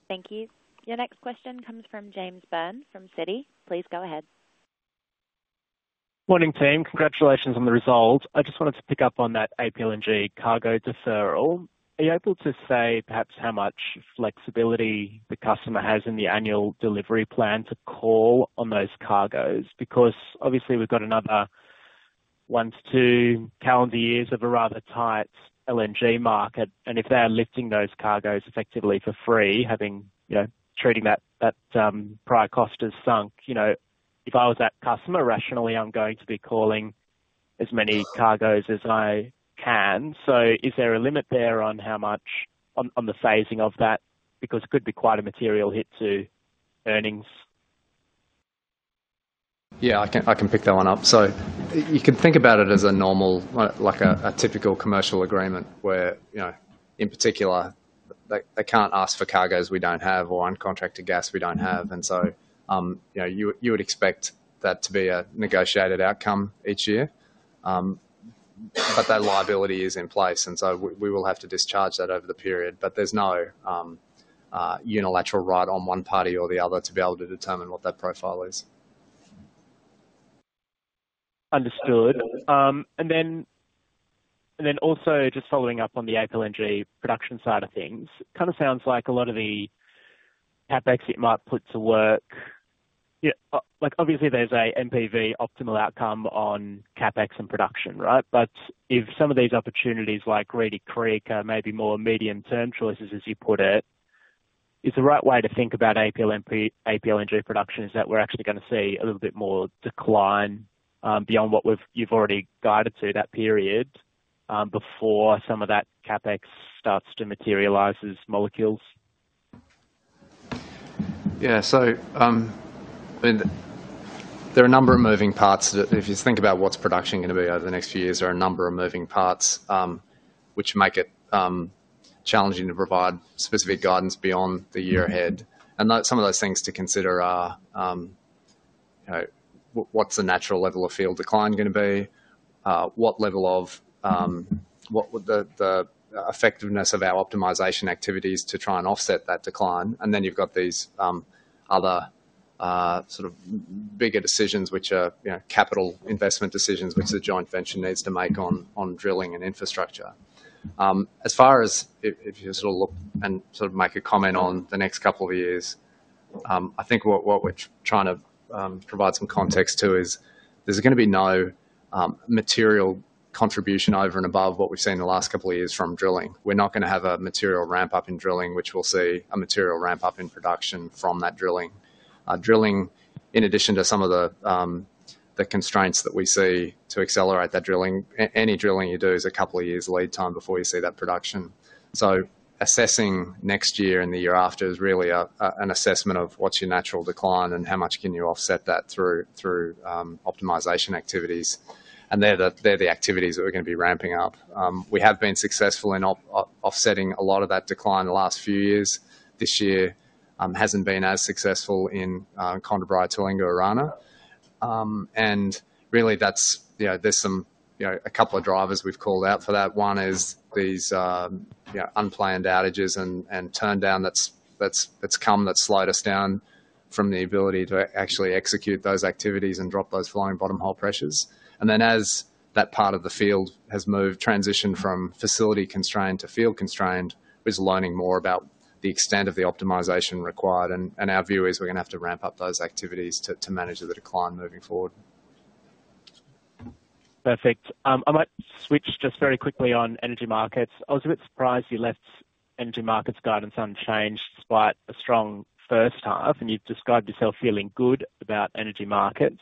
Thank you. Your next question comes from James Byrne from Citi. Please go ahead. Morning, team. Congratulations on the results. I just wanted to pick up on that APLNG cargo deferral. Are you able to say perhaps how much flexibility the customer has in the annual delivery plan to call on those cargoes? Because obviously we've got another one to two calendar years of a rather tight LNG market. And if they're lifting those cargoes effectively for free, treating that prior cost as sunk, if I was that customer, rationally, I'm going to be calling as many cargoes as I can. So is there a limit there on the phasing of that? Because it could be quite a material hit to earnings. Yeah, I can pick that one up. So you can think about it as a normal, like a typical commercial agreement where, in particular, they can't ask for cargoes we don't have or uncontracted gas we don't have. And so you would expect that to be a negotiated outcome each year. But that liability is in place. And so we will have to discharge that over the period. But there's no unilateral right on one party or the other to be able to determine what that profile is. Understood. And then also just following up on the APLNG production side of things, it kind of sounds like a lot of the CapEx it might put to work. Obviously, there's an NPV optimal outcome on CapEx and production, right? But if some of these opportunities like Reedy Creek are maybe more medium-term choices, as you put it, is the right way to think about APLNG production is that we're actually going to see a little bit more decline beyond what you've already guided to that period before some of that CapEx starts to materialize as molecules? Yeah, so there are a number of moving parts. If you think about what's production going to be over the next few years, there are a number of moving parts which make it challenging to provide specific guidance beyond the year ahead. And some of those things to consider are what's the natural level of field decline going to be? What level would the effectiveness of our optimization activities to try and offset that decline? And then you've got these other sort of bigger decisions, which are capital investment decisions, which the joint venture needs to make on drilling and infrastructure. As far as if you sort of look and sort of make a comment on the next couple of years, I think what we're trying to provide some context to is there's going to be no material contribution over and above what we've seen the last couple of years from drilling. We're not going to have a material ramp-up in drilling, which we'll see a material ramp-up in production from that drilling. Drilling, in addition to some of the constraints that we see to accelerate that drilling. Any drilling you do is a couple of years lead time before you see that production. So assessing next year and the year after is really an assessment of what's your natural decline and how much can you offset that through optimization activities, and they're the activities that we're going to be ramping up. We have been successful in offsetting a lot of that decline the last few years. This year hasn't been as successful in Condabri, Talinga, Orana. Really, there's a couple of drivers we've called out for that. One is these unplanned outages and turndown that's come, that's slowed us down from the ability to actually execute those activities and drop those flowing bottom hole pressures. Then, as that part of the field has moved, transitioned from facility constrained to field constrained, we're learning more about the extent of the optimization required. Our view is we're going to have to ramp up those activities to manage the decline moving forward. Perfect. I might switch just very quickly on Energy Markets. I was a bit surprised you left Energy Markets guidance unchanged despite a strong first half, and you've described yourself feeling good about Energy Markets.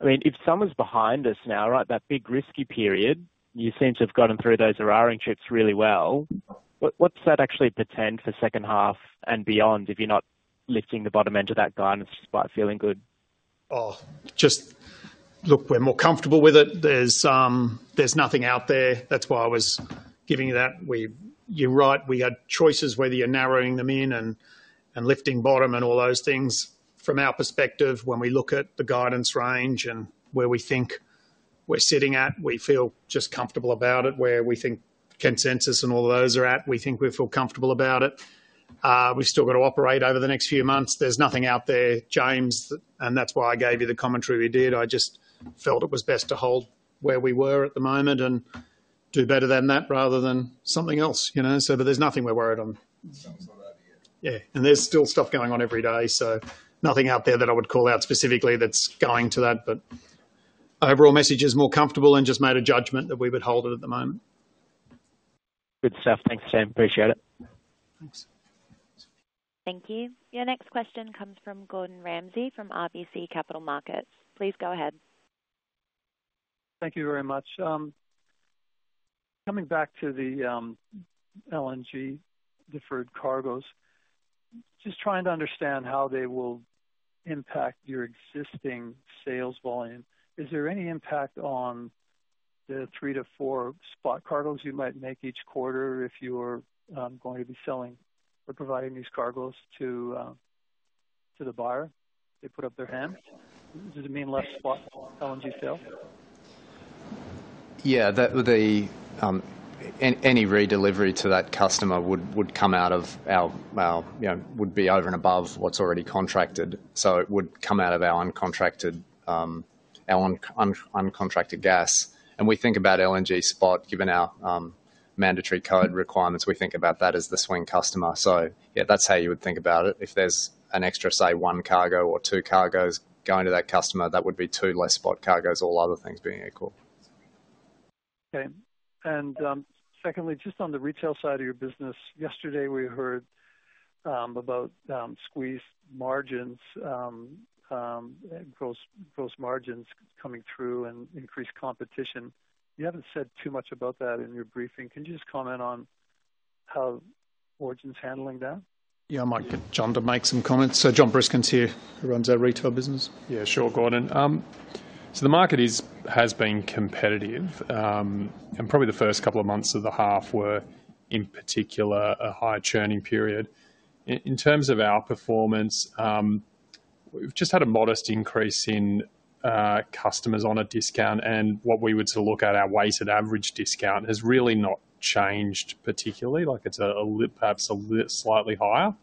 I mean, if summer's behind us now, right, that big risky period, you seem to have gotten through those AEMO challenges really well. What's that actually portend for second half and beyond if you're not lifting the bottom end of that guidance despite feeling good? Oh, just look, we're more comfortable with it. There's nothing out there. That's why I was giving you that. You're right. We had choices whether you're narrowing them in and lifting bottom and all those things. From our perspective, when we look at the guidance range and where we think we're sitting at, we feel just comfortable about it. Where we think consensus and all of those are at, we think we feel comfortable about it. We've still got to operate over the next few months. There's nothing out there, James, and that's why I gave you the commentary we did. I just felt it was best to hold where we were at the moment and do better than that rather than something else. So there's nothing we're worried on. Yeah. And there's still stuff going on every day. So nothing out there that I would call out specifically that's going to that. But overall message is more comfortable and just made a judgment that we would hold it at the moment. Good stuff. Thanks, Team. Appreciate it. Thanks. Thank you. Your next question comes from Gordon Ramsay from RBC Capital Markets. Please go ahead. Thank you very much. Coming back to the LNG deferred cargoes, just trying to understand how they will impact your existing sales volume. Is there any impact on the three to four spot cargoes you might make each quarter if you're going to be selling or providing these cargoes to the buyer? They put up their hand. Does it mean less spot LNG sales? Yeah, any redelivery to that customer would come out of our would be over and above what's already contracted. So it would come out of our uncontracted gas. And we think about LNG spot, given our mandatory code requirements, we think about that as the swing customer. So yeah, that's how you would think about it. If there's an extra, say, one cargo or two cargoes going to that customer, that would be two less spot cargoes, all other things being equal. Okay. And secondly, just on the retail side of your business, yesterday we heard about squeezed margins, gross margins coming through and increased competition. You haven't said too much about that in your briefing. Can you just comment on how Origin's handling that? Yeah, I might get Jon to make some comments. So, Jon Briskin here, who runs our retail business. Yeah, sure, Gordon. So the market has been competitive. And probably the first couple of months of the half were, in particular, a high churning period. In terms of our performance, we've just had a modest increase in customers on a discount. And what we would sort of look at, our weighted average discount has really not changed particularly. It's perhaps a slightly higher.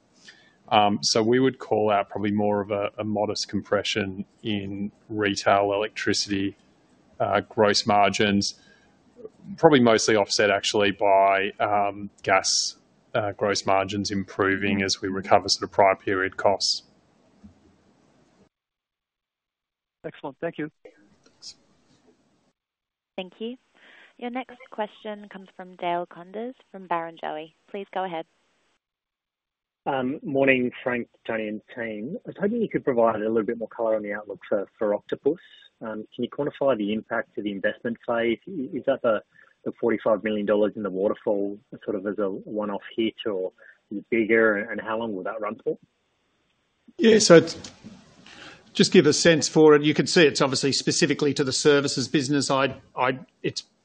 So we would call out probably more of a modest compression in retail electricity gross margins, probably mostly offset actually by gas gross margins improving as we recover sort of prior period costs. Excellent. Thank you. Thank you. Your next question comes from Dale Koenders from Barrenjoey. Please go ahead. Morning, Frank, Tony, and team. I was hoping you could provide a little bit more color on the outlook for Octopus. Can you quantify the impact of the investment phase? Is that the 45 million dollars in the waterfall sort of as a one-off hit or bigger? And how long will that run for? Yeah, so just give a sense for it. You can see it's obviously specifically to the services business.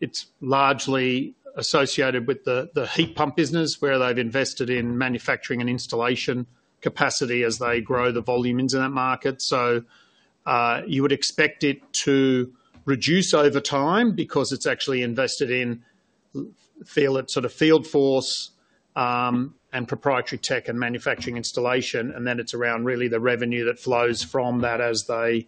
It's largely associated with the heat pump business where they've invested in manufacturing and installation capacity as they grow the volume into that market. So you would expect it to reduce over time because it's actually invested in sort of field force and proprietary tech and manufacturing installation. And then it's around really the revenue that flows from that as they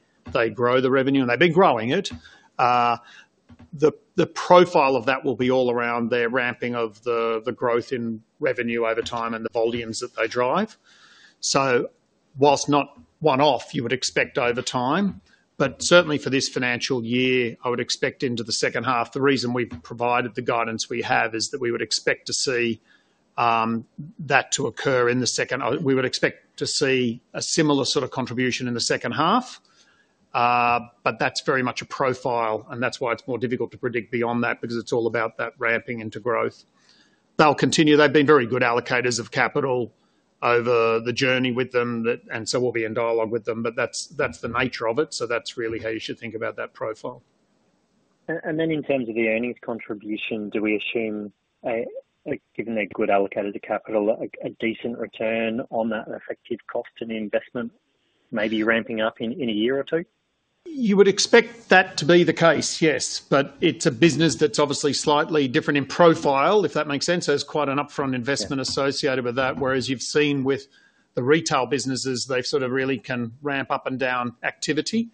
grow the revenue. And they've been growing it. The profile of that will be all around their ramping of the growth in revenue over time and the volumes that they drive. So whilst not one-off, you would expect over time. But certainly for this financial year, I would expect into the second half, the reason we've provided the guidance we have is that we would expect to see that to occur in the second. We would expect to see a similar sort of contribution in the second half. But that's very much a profile. And that's why it's more difficult to predict beyond that because it's all about that ramping into growth. They'll continue. They've been very good allocators of capital over the journey with them. And so we'll be in dialogue with them. But that's the nature of it. So that's really how you should think about that profile. And then in terms of the earnings contribution, do we assume, given they're good allocators of capital, a decent return on that effective cost and investment, maybe ramping up in a year or two? You would expect that to be the case, yes. But it's a business that's obviously slightly different in profile, if that makes sense. There's quite an upfront investment associated with that. Whereas you've seen with the retail businesses, they've sort of really can ramp up and down activity.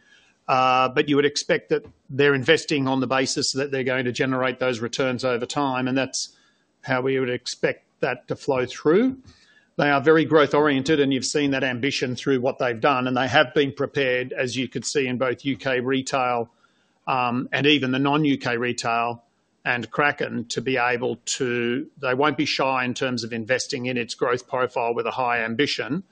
But you would expect that they're investing on the basis that they're going to generate those returns over time. And that's how we would expect that to flow through. They are very growth-oriented. And you've seen that ambition through what they've done. And they have been prepared, as you could see in both U.K. retail and even the non-U.K. retail and Kraken, to be able to, they won't be shy in terms of investing in its growth profile with a high ambition.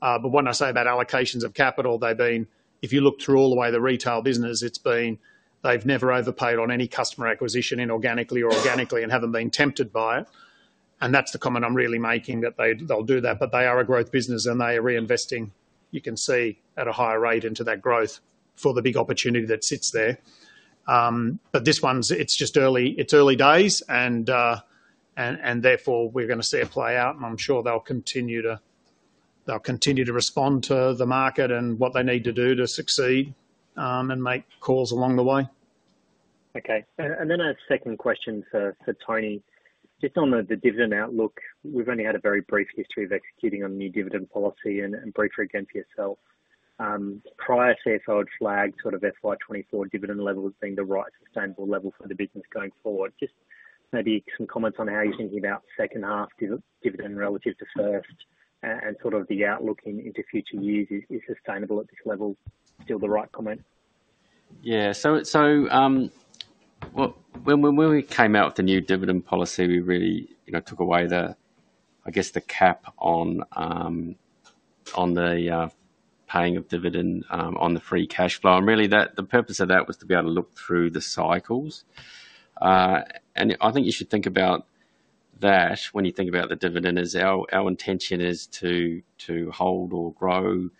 But when I say about allocations of capital, they've been, if you look through all the way the retail business, it's been, they've never overpaid on any customer acquisition inorganically or organically and haven't been tempted by it. And that's the comment I'm really making, that they'll do that. But they are a growth business. And they are reinvesting, you can see, at a higher rate into that growth for the big opportunity that sits there. But this one, it's early days. And therefore, we're going to see it play out. And I'm sure they'll continue to respond to the market and what they need to do to succeed and make calls along the way. Okay. And then a second question for Tony. Just on the dividend outlook, we've only had a very brief history of executing on new dividend policy and briefly with yourself. Prior CFO had flagged sort of FY2024 dividend levels being the right sustainable level for the business going forward. Just maybe some comments on how you're thinking about second half dividend relative to first and sort of the outlook into future years. Is sustainable at this level still the right comment? Yeah. So when we came out with the new dividend policy, we really took away, I guess, the cap on the paying of dividend on the free cash flow. And really, the purpose of that was to be able to look through the cycles. And I think you should think about that when you think about the dividend. Our intention is to hold or grow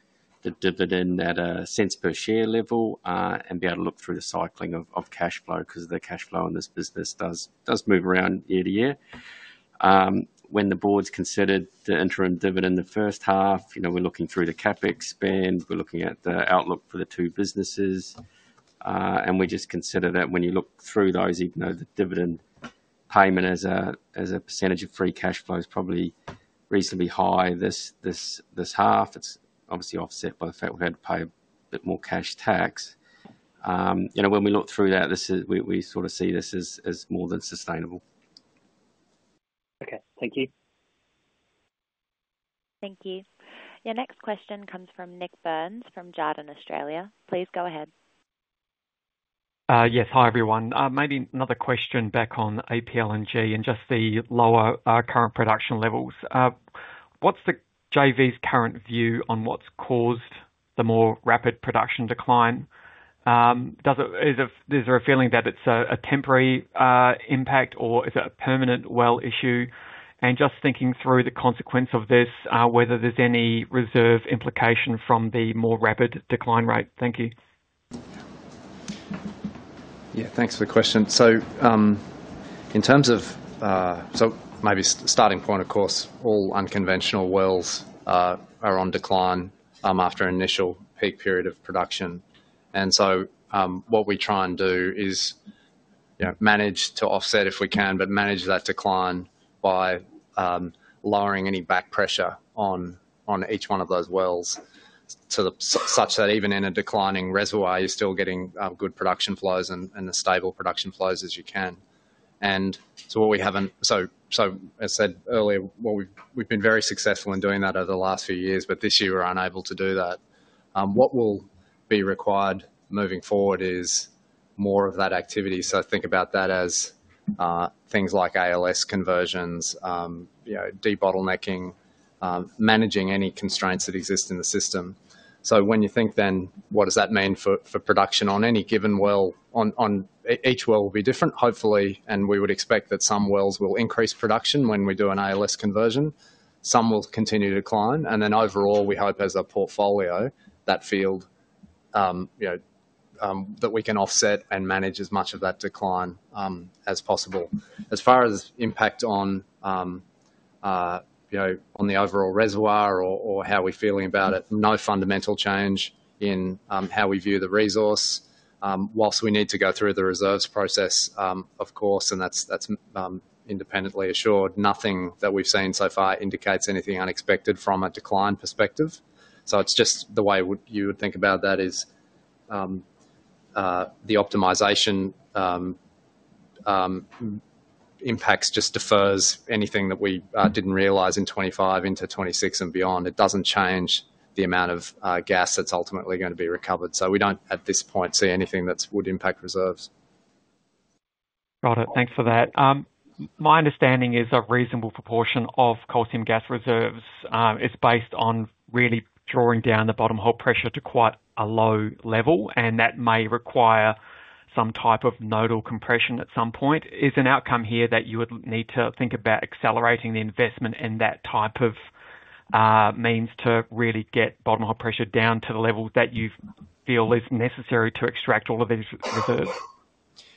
the dividend at a cents per share level and be able to look through the cycling of cash flow because the cash flow in this business does move around year to year. When the board's considered the interim dividend, the first half, we're looking through the CapEx spend. We're looking at the outlook for the two businesses. We just consider that when you look through those, even though the dividend payment as a percentage of free cash flow is probably reasonably high, this half, it's obviously offset by the fact we had to pay a bit more cash tax. When we look through that, we sort of see this as more than sustainable. Okay. Thank you. Thank you. Your next question comes from Nik Burns from Jarden Australia. Please go ahead. Yes. Hi, everyone. Maybe another question back on APLNG and just the lower current production levels. What's the JV's current view on what's caused the more rapid production decline? Is there a feeling that it's a temporary impact, or is it a permanent well issue? And just thinking through the consequence of this, whether there's any reserve implication from the more rapid decline rate. Thank you. Yeah. Thanks for the question. So in terms of so maybe starting point, of course, all unconventional wells are on decline after an initial peak period of production. And so what we try and do is manage to offset if we can, but manage that decline by lowering any back pressure on each one of those wells such that even in a declining reservoir, you're still getting good production flows and as stable production flows as you can. And so what we haven't so as I said earlier, we've been very successful in doing that over the last few years. But this year, we're unable to do that. What will be required moving forward is more of that activity. So think about that as things like ALS conversions, debottlenecking, managing any constraints that exist in the system. So when you think then, what does that mean for production on any given well? Each well will be different, hopefully. And we would expect that some wells will increase production when we do an ALS conversion. Some will continue to decline. And then overall, we hope as a portfolio, that field that we can offset and manage as much of that decline as possible. As far as impact on the overall reservoir or how we're feeling about it, no fundamental change in how we view the resource. While we need to go through the reserves process, of course, and that's independently assured, nothing that we've seen so far indicates anything unexpected from a decline perspective. So it's just the way you would think about that is the optimization impacts just defers anything that we didn't realize in 2025 into 2026 and beyond. It doesn't change the amount of gas that's ultimately going to be recovered. So we don't, at this point, see anything that would impact reserves. Got it. Thanks for that. My understanding is a reasonable proportion of coal seam gas reserves is based on really drawing down the bottom hole pressure to quite a low level. And that may require some type of nodal compression at some point. Is an outcome here that you would need to think about accelerating the investment in that type of means to really get bottom hole pressure down to the level that you feel is necessary to extract all of these reserves?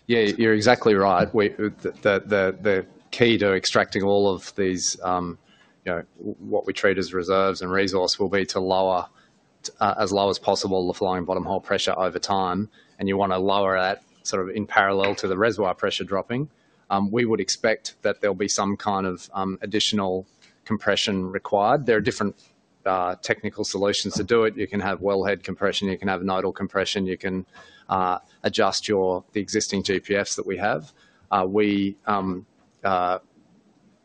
Yeah, you're exactly right. The key to extracting all of what we treat as reserves and resource will be to lower as low as possible the flowing bottom hole pressure over time, and you want to lower that sort of in parallel to the reservoir pressure dropping. We would expect that there'll be some kind of additional compression required. There are different technical solutions to do it. You can have wellhead compression. You can have nodal compression. You can adjust the existing GPFs that we have. We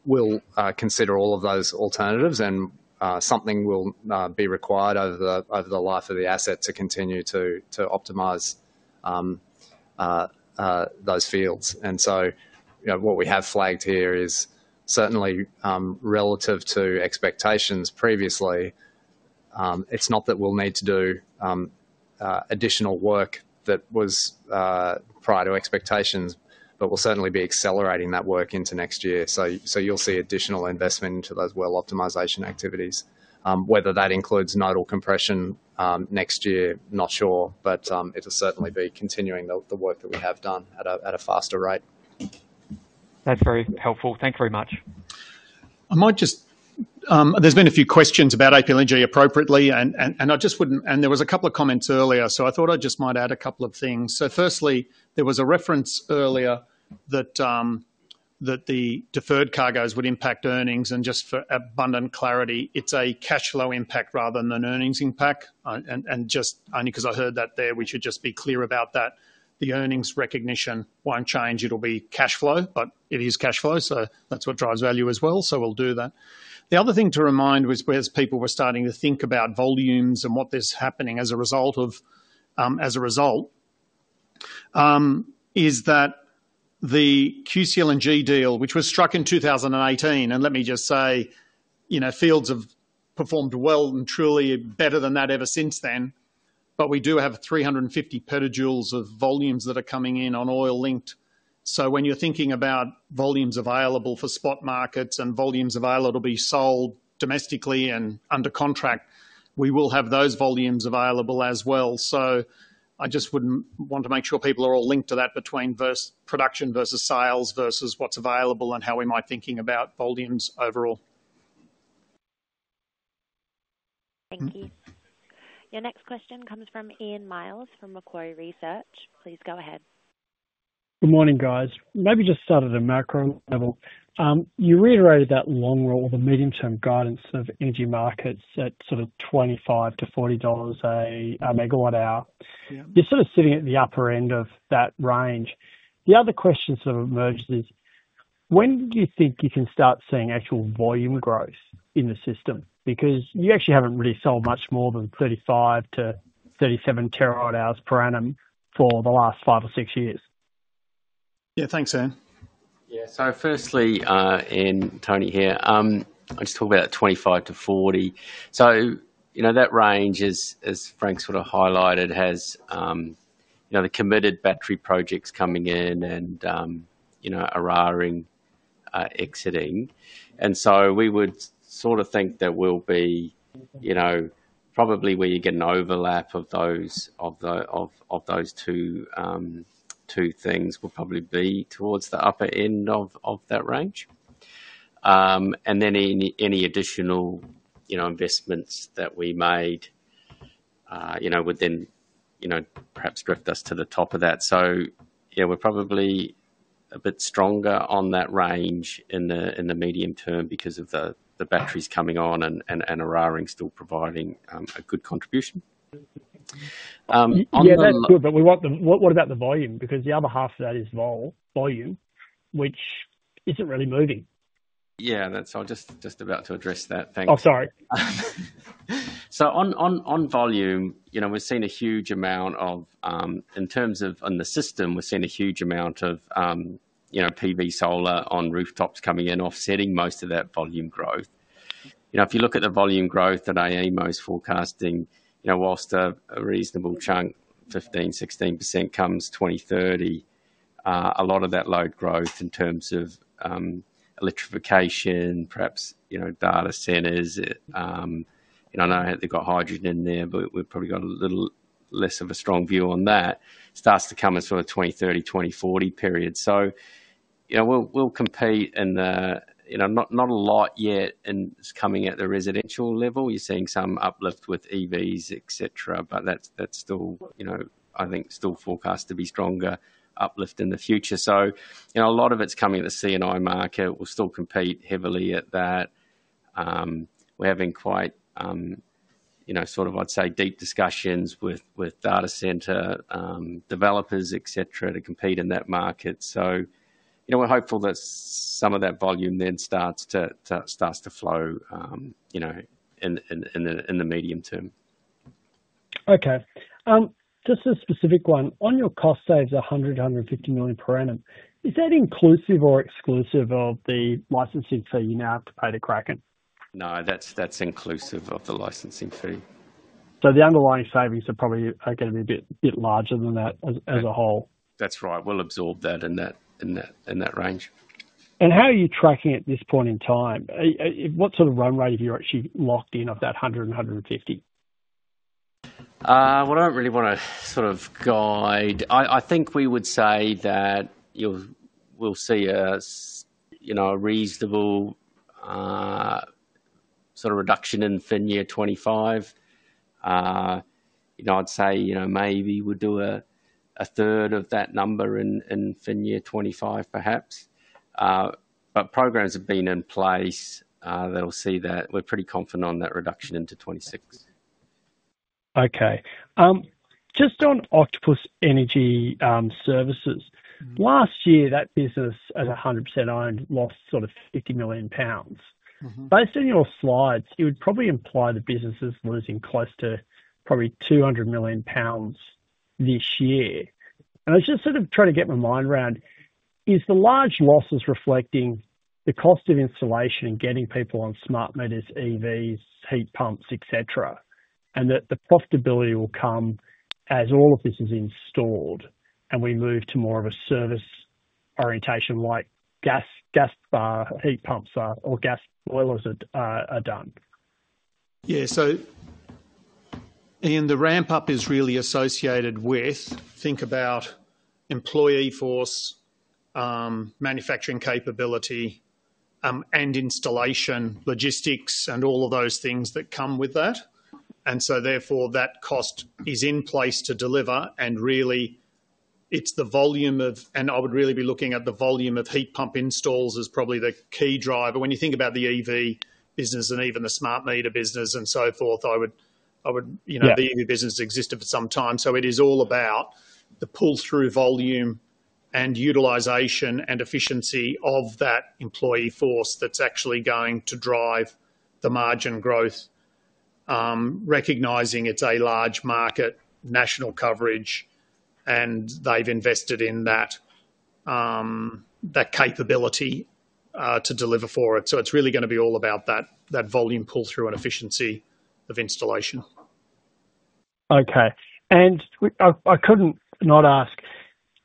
will consider all of those alternatives, and something will be required over the life of the asset to continue to optimize those fields. And so what we have flagged here is certainly relative to expectations previously; it's not that we'll need to do additional work that was prior to expectations, but we'll certainly be accelerating that work into next year. So you'll see additional investment into those well optimization activities. Whether that includes nodal compression next year, not sure. But it'll certainly be continuing the work that we have done at a faster rate. That's very helpful. Thank you very much. There's been a few questions about APLNG appropriately, and there was a couple of comments earlier, so I thought I just might add a couple of things. So firstly, there was a reference earlier that the deferred cargoes would impact earnings, and just for abundant clarity, it's a cash flow impact rather than an earnings impact, and just only because I heard that there, we should just be clear about that. The earnings recognition won't change. It'll be cash flow, but it is cash flow, so that's what drives value as well, so we'll do that. The other thing to remind was as people were starting to think about volumes and what's happening as a result of is that the QCLNG deal, which was struck in 2018, and let me just say, fields have performed well and truly better than that ever since then. But we do have 350 petajoules of volumes that are coming in on oil linked. So when you're thinking about volumes available for spot markets and volumes available to be sold domestically and under contract, we will have those volumes available as well. So I just would want to make sure people are all linked to that between production versus sales versus what's available and how we might be thinking about volumes overall. Thank you. Your next question comes from Ian Myles from Macquarie Research. Please go ahead. Good morning, guys. Maybe just start at a macro level. You reiterated that long run or the medium-term guidance of Energy Markets at sort of $25-$40 a megawatt hour. You're sort of sitting at the upper end of that range. The other question sort of emerges is, when do you think you can start seeing actual volume growth in the system? Because you actually haven't really sold much more than 35-37 terawatt hours per annum for the last five or six years. Yeah. Thanks, Ian. Yeah. So firstly, Ian, Tony here. I'll just talk about 25 to 40. So that range, as Frank sort of highlighted, has the committed battery projects coming in and Eraring exiting. And so we would sort of think that we'll be probably where you get an overlap of those two things will probably be towards the upper end of that range. And then any additional investments that we made would then perhaps drift us to the top of that. So we're probably a bit stronger on that range in the medium term because of the batteries coming on and Eraring still providing a good contribution. Yeah. That's good, but what about the volume? Because the other half of that is volume, which isn't really moving. Yeah. So I'm just about to address that. Thanks. Oh, sorry. So on volume, in terms of on the system, we've seen a huge amount of PV solar on rooftops coming in, offsetting most of that volume growth. If you look at the volume growth that AEMO is forecasting, while a reasonable chunk, 15%-16% comes 2030, a lot of that load growth in terms of electrification, perhaps data centers. I know they've got hydrogen in there, but we've probably got a little less of a strong view on that. Starts to come in sort of 2030, 2040 period. So we'll compete in the not a lot yet in coming at the residential level. You're seeing some uplift with EVs, etc. But that's still, I think, forecast to be stronger uplift in the future. So a lot of it's coming at the C&I market. We'll still compete heavily at that. We're having quite sort of, I'd say, deep discussions with data center developers, etc., to compete in that market. So we're hopeful that some of that volume then starts to flow in the medium term. Okay. Just a specific one. On your cost saves, 100-150 million per annum, is that inclusive or exclusive of the licensing fee you now have to pay to Kraken? No. That's inclusive of the licensing fee. So the underlying savings are probably going to be a bit larger than that as a whole. That's right. We'll absorb that in that range. And how are you tracking at this point in time? What sort of run rate have you actually locked in of that 100 and 150? I don't really want to sort of guide. I think we would say that we'll see a reasonable sort of reduction in FY 2025. I'd say maybe we do a third of that number in FY2025, perhaps. But programs have been in place that'll see that we're pretty confident on that reduction into 2026. Okay. Just on Octopus Energy Services, last year, that business at 100% owned lost sort of 50 million pounds. Based on your slides, it would probably imply the business is losing close to probably 200 million pounds this year. And I was just sort of trying to get my mind around, is the large losses reflecting the cost of installation and getting people on smart meters, EVs, heat pumps, etc., and that the profitability will come as all of this is installed and we move to more of a service orientation like gas-fired heat pumps or gas boilers are done? Yeah. So Ian, the ramp-up is really associated with, think about employee force, manufacturing capability, and installation, logistics, and all of those things that come with that. And so therefore, that cost is in place to deliver. And really, it's the volume of, and I would really be looking at the volume of heat pump installs as probably the key driver. When you think about the EV business and even the smart meter business and so forth, I would the EV business existed for some time. So it is all about the pull-through volume and utilization and efficiency of that employee force that's actually going to drive the margin growth, recognizing it's a large market, national coverage, and they've invested in that capability to deliver for it. So it's really going to be all about that volume pull-through and efficiency of installation. Okay, and I couldn't not ask,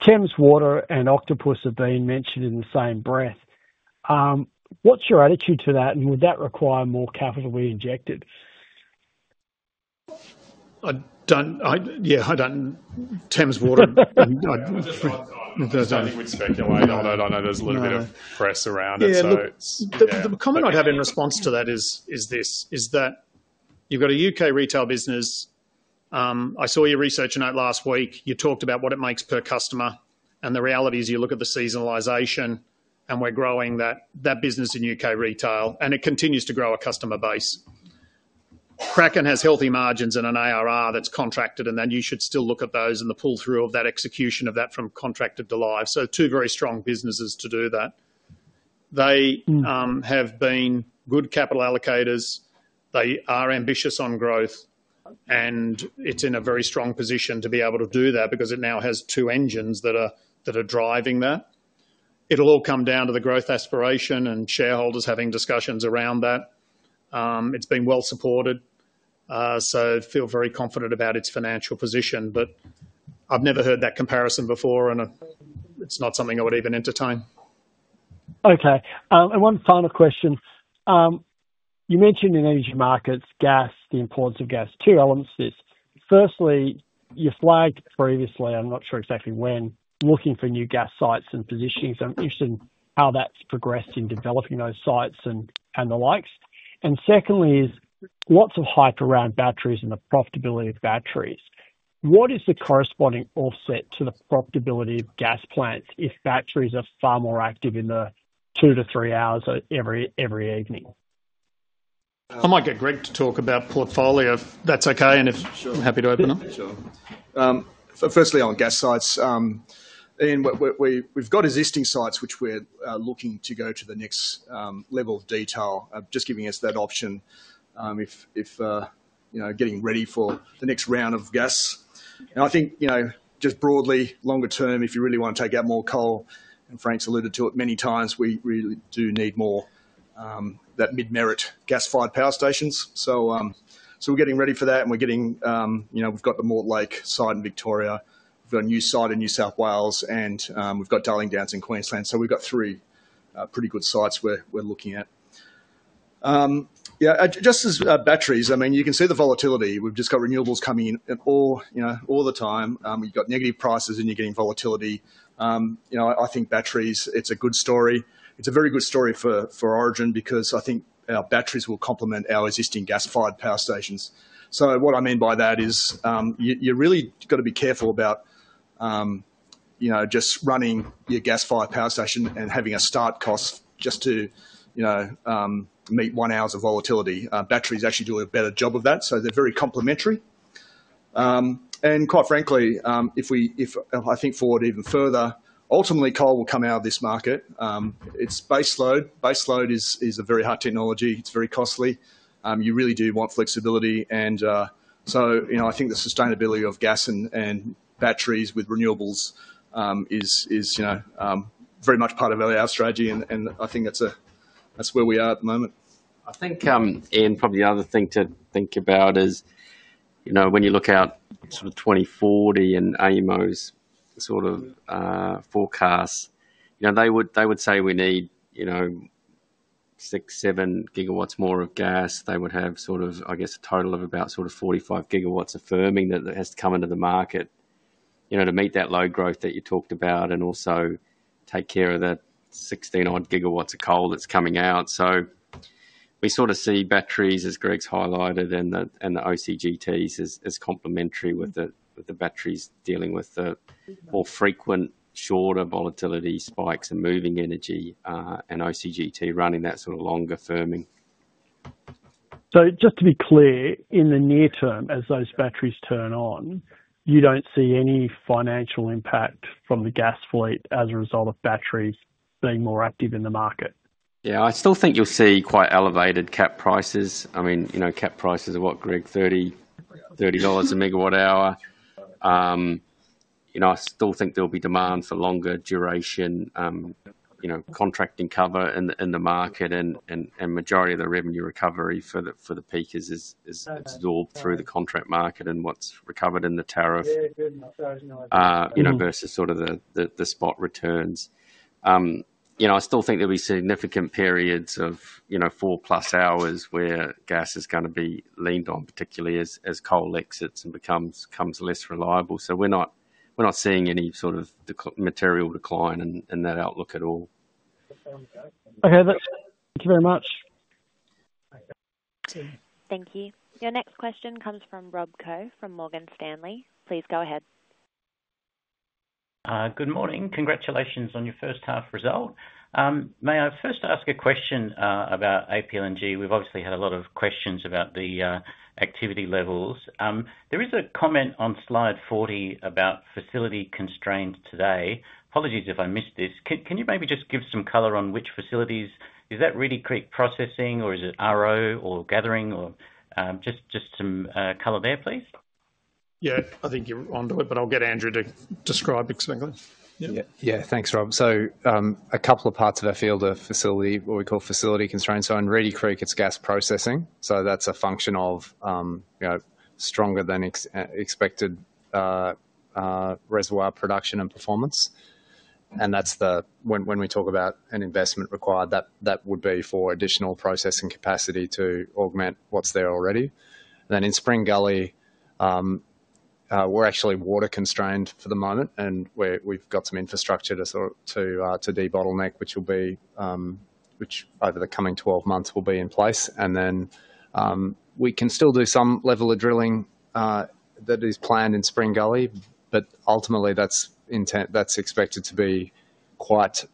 Thames Water and Octopus have been mentioned in the same breath. What's your attitude to that, and would that require more capital to be injected? Yeah. I don't. Thames Water. I don't think we'd speculate. I know there's a little bit of press around it. Yeah. The comment I'd have in response to that is this, is that you've got a U.K. retail business. I saw your research note last week. You talked about what it makes per customer. And the reality is you look at the seasonalization, and we're growing that business in U.K. retail. And it continues to grow a customer base. Kraken has healthy margins in an ARR that's contracted. And then you should still look at those and the pull-through of that execution of that from contracted to live. So two very strong businesses to do that. They have been good capital allocators. They are ambitious on growth. And it's in a very strong position to be able to do that because it now has two engines that are driving that. It'll all come down to the growth aspiration and shareholders having discussions around that. It's been well-supported. So I feel very confident about its financial position. But I've never heard that comparison before, and it's not something I would even entertain. Okay. And one final question. You mentioned in Energy Markets, gas, the importance of gas, two elements to this. Firstly, you flagged previously, I'm not sure exactly when, looking for new gas sites and positionings. I'm interested in how that's progressed in developing those sites and the likes. And secondly is lots of hype around batteries and the profitability of batteries. What is the corresponding offset to the profitability of gas plants if batteries are far more active in the two to three hours every evening? I might get Greg to talk about portfolio. That's okay, and I'm happy to open up. Sure. Firstly, on gas sites, Ian, we've got existing sites, which we're looking to go to the next level of detail, just giving us that option if getting ready for the next round of gas. I think just broadly, longer term, if you really want to take out more coal, and Frank's alluded to it many times, we really do need more of that mid-merit gas-fired power stations, so we're getting ready for that. We've got the Mortlake site in Victoria. We've got a new site in New South Wales. We've got Darling Downs in Queensland, so we've got three pretty good sites we're looking at. Yeah. Just as batteries, I mean, you can see the volatility. We've just got renewables coming in all the time. You've got negative prices, and you're getting volatility. I think batteries, it's a good story. It's a very good story for Origin because I think our batteries will complement our existing gas-fired power stations. So what I mean by that is you really got to be careful about just running your gas-fired power station and having a start cost just to meet one hour's volatility. Batteries actually do a better job of that. So they're very complementary. And quite frankly, if I think forward even further, ultimately, coal will come out of this market. It's base load. Base load is a very hot technology. It's very costly. You really do want flexibility. And so I think the sustainability of gas and batteries with renewables is very much part of our strategy. And I think that's where we are at the moment. I think, Ian, probably the other thing to think about is when you look at sort of 2040 and AEMO's sort of forecasts, they would say we need six, seven gigawatts more of gas. They would have sort of, I guess, a total of about sort of 45 gigawatts of firming that has to come into the market to meet that low growth that you talked about and also take care of that 16-odd gigawatts of coal that's coming out. So we sort of see batteries, as Greg's highlighted, and the OCGTs as complementary with the batteries dealing with the more frequent, shorter volatility spikes and moving energy and OCGT running that sort of longer firming. So just to be clear, in the near term, as those batteries turn on, you don't see any financial impact from the gas fleet as a result of batteries being more active in the market? Yeah. I still think you'll see quite elevated cap prices. I mean, cap prices are what, Greg? 30 dollars a megawatt hour. I still think there'll be demand for longer duration contracting cover in the market. And majority of the revenue recovery for the peakers is absorbed through the contract market and what's recovered in the tariff versus sort of the spot returns. I still think there'll be significant periods of four-plus hours where gas is going to be leaned on, particularly as coal exits and becomes less reliable. So we're not seeing any sort of material decline in that outlook at all. Okay. Thank you very much. Thank you. Your next question comes from Rob Koh from Morgan Stanley. Please go ahead. Good morning. Congratulations on your first-half result. May I first ask a question about APLNG? We've obviously had a lot of questions about the activity levels. There is a comment on slide 40 about facility constraints today. Apologies if I missed this. Can you maybe just give some color on which facilities? Is that really CSG processing, or is it RO or gathering? Just some color there, please. Yeah. I think you're onto it, but I'll get Andrew to describe it swinging. Yeah. Thanks, Rob. A couple of parts of our field or facility, what we call facility constraints. In Reedy Creek, it's gas processing. That's a function of stronger-than-expected reservoir production and performance. When we talk about an investment required, that would be for additional processing capacity to augment what's there already. In Spring Gully, we're actually water-constrained for the moment. We've got some infrastructure to debottleneck, which over the coming 12 months will be in place. Then we can still do some level of drilling that is planned in Spring Gully. But ultimately, that's expected to be quite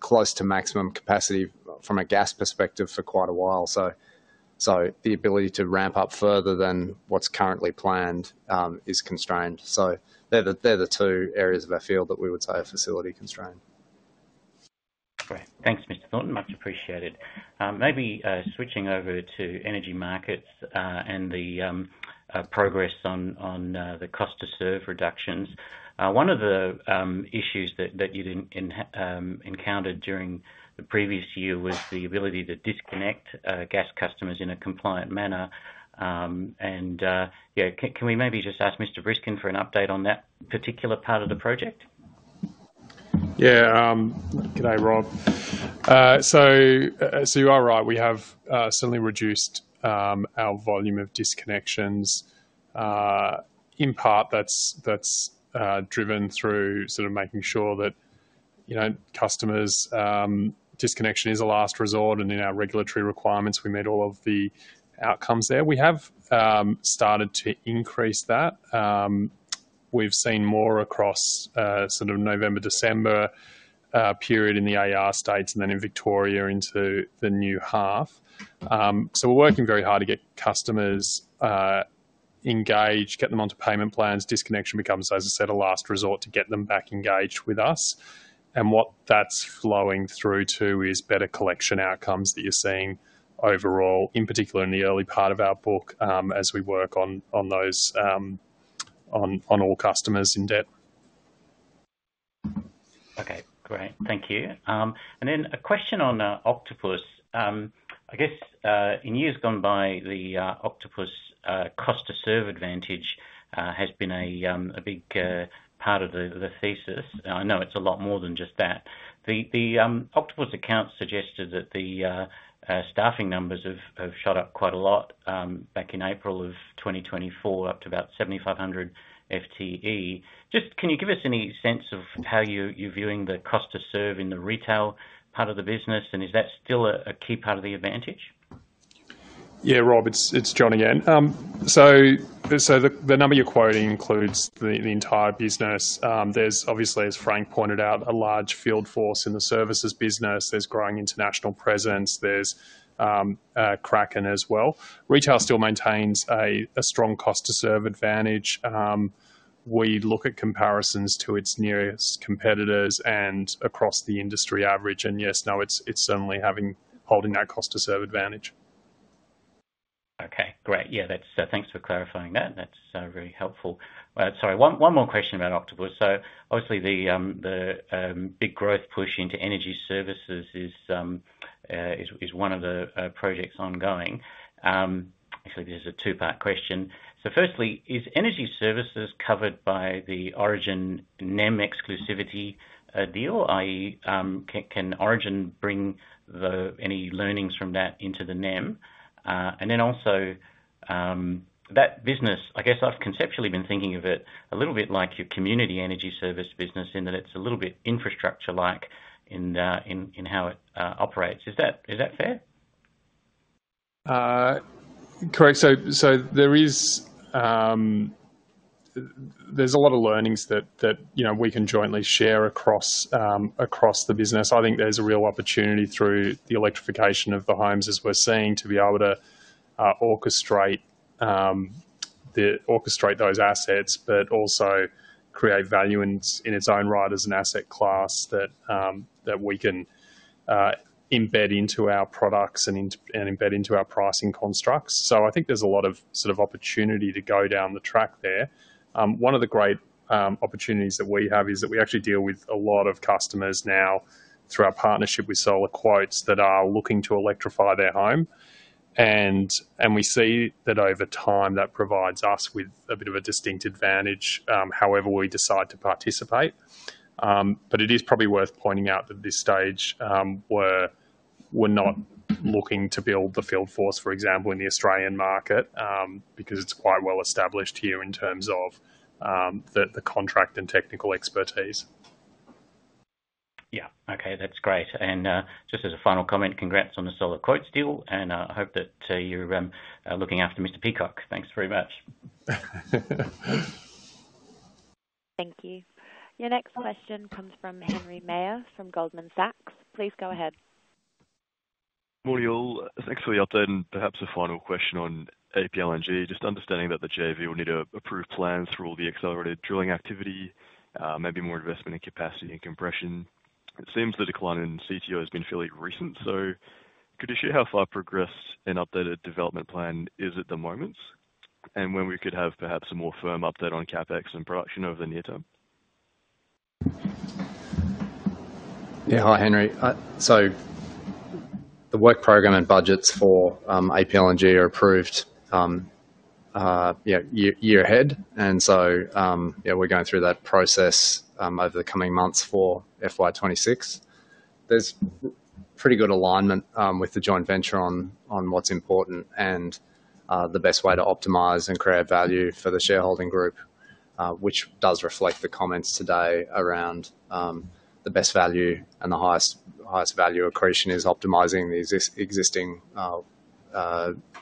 close to maximum capacity from a gas perspective for quite a while. The ability to ramp up further than what's currently planned is constrained. They're the two areas of our field that we would say are facility-constrained. Thanks, Mr. Thornton. Much appreciated. Maybe switching over to Energy Markets and the progress on the cost-to-serve reductions. One of the issues that you encountered during the previous year was the ability to disconnect gas customers in a compliant manner. And can we maybe just ask Mr. Briskin for an update on that particular part of the project? Yeah. G'day, Rob. So you are right. We have certainly reduced our volume of disconnections. In part, that's driven through sort of making sure that customers' disconnection is a last resort. And in our regulatory requirements, we meet all of the outcomes there. We have started to increase that. We've seen more across sort of November, December period in the AER states and then in Victoria into the new half. So we're working very hard to get customers engaged, get them onto payment plans. Disconnection becomes, as I said, a last resort to get them back engaged with us. And what that's flowing through to is better collection outcomes that you're seeing overall, in particular in the early part of our book as we work on all customers in debt. Okay. Great. Thank you. And then a question on Octopus. I guess in years gone by, the Octopus cost-to-serve advantage has been a big part of the thesis. I know it's a lot more than just that. The Octopus account suggested that the staffing numbers have shot up quite a lot back in April of 2024, up to about 7,500 FTE. Just can you give us any sense of how you're viewing the cost-to-serve in the retail part of the business? And is that still a key part of the advantage? Yeah, Rob. It's Jon again. So the number you're quoting includes the entire business. There's, obviously, as Frank pointed out, a large field force in the services business. There's growing international presence. There's Kraken as well. Retail still maintains a strong cost-to-serve advantage. We look at comparisons to its nearest competitors and across the industry average. And yes, no, it's certainly holding that cost-to-serve advantage. Okay. Great. Yeah. Thanks for clarifying that. That's very helpful. Sorry. One more question about Octopus. So obviously, the big growth push into energy services is one of the projects ongoing. Actually, this is a two-part question. So firstly, is energy services covered by the Origin NEM exclusivity deal? i.e., can Origin bring any learnings from that into the NEM? And then also, that business, I guess I've conceptually been thinking of it a little bit like your community energy service business in that it's a little bit infrastructure-like in how it operates. Is that fair? Correct, so there's a lot of learnings that we can jointly share across the business. I think there's a real opportunity through the electrification of the homes as we're seeing to be able to orchestrate those assets but also create value in its own right as an asset class that we can embed into our products and embed into our pricing constructs. So I think there's a lot of sort of opportunity to go down the track there. One of the great opportunities that we have is that we actually deal with a lot of customers now through our partnership with SolarQuotes that are looking to electrify their home, and we see that over time, that provides us with a bit of a distinct advantage, however we decide to participate. But it is probably worth pointing out that at this stage, we're not looking to build the field force, for example, in the Australian market because it's quite well established here in terms of the contract and technical expertise. Yeah. Okay. That's great. And just as a final comment, congrats on the SolarQuotes deal. And I hope that you're looking after Mr. Peacock. Thanks very much. Thank you. Your next question comes from Henry Meyer from Goldman Sachs. Please go ahead. Morning, all. Thanks for the update, and perhaps a final question on APLNG. Just understanding that the JV will need to approve plans for all the accelerated drilling activity, maybe more investment in capacity and compression. It seems the decline in CSG has been fairly recent. So could you share how far progressed an updated development plan is at the moment? And when we could have perhaps a more firm update on CapEx and production over the near term? Yeah. Hi, Henry. So the work program and budgets for APLNG are approved a year ahead. And so we're going through that process over the coming months for FY2026. There's pretty good alignment with the joint venture on what's important and the best way to optimize and create value for the shareholding group, which does reflect the comments today around the best value and the highest value accretion is optimizing the existing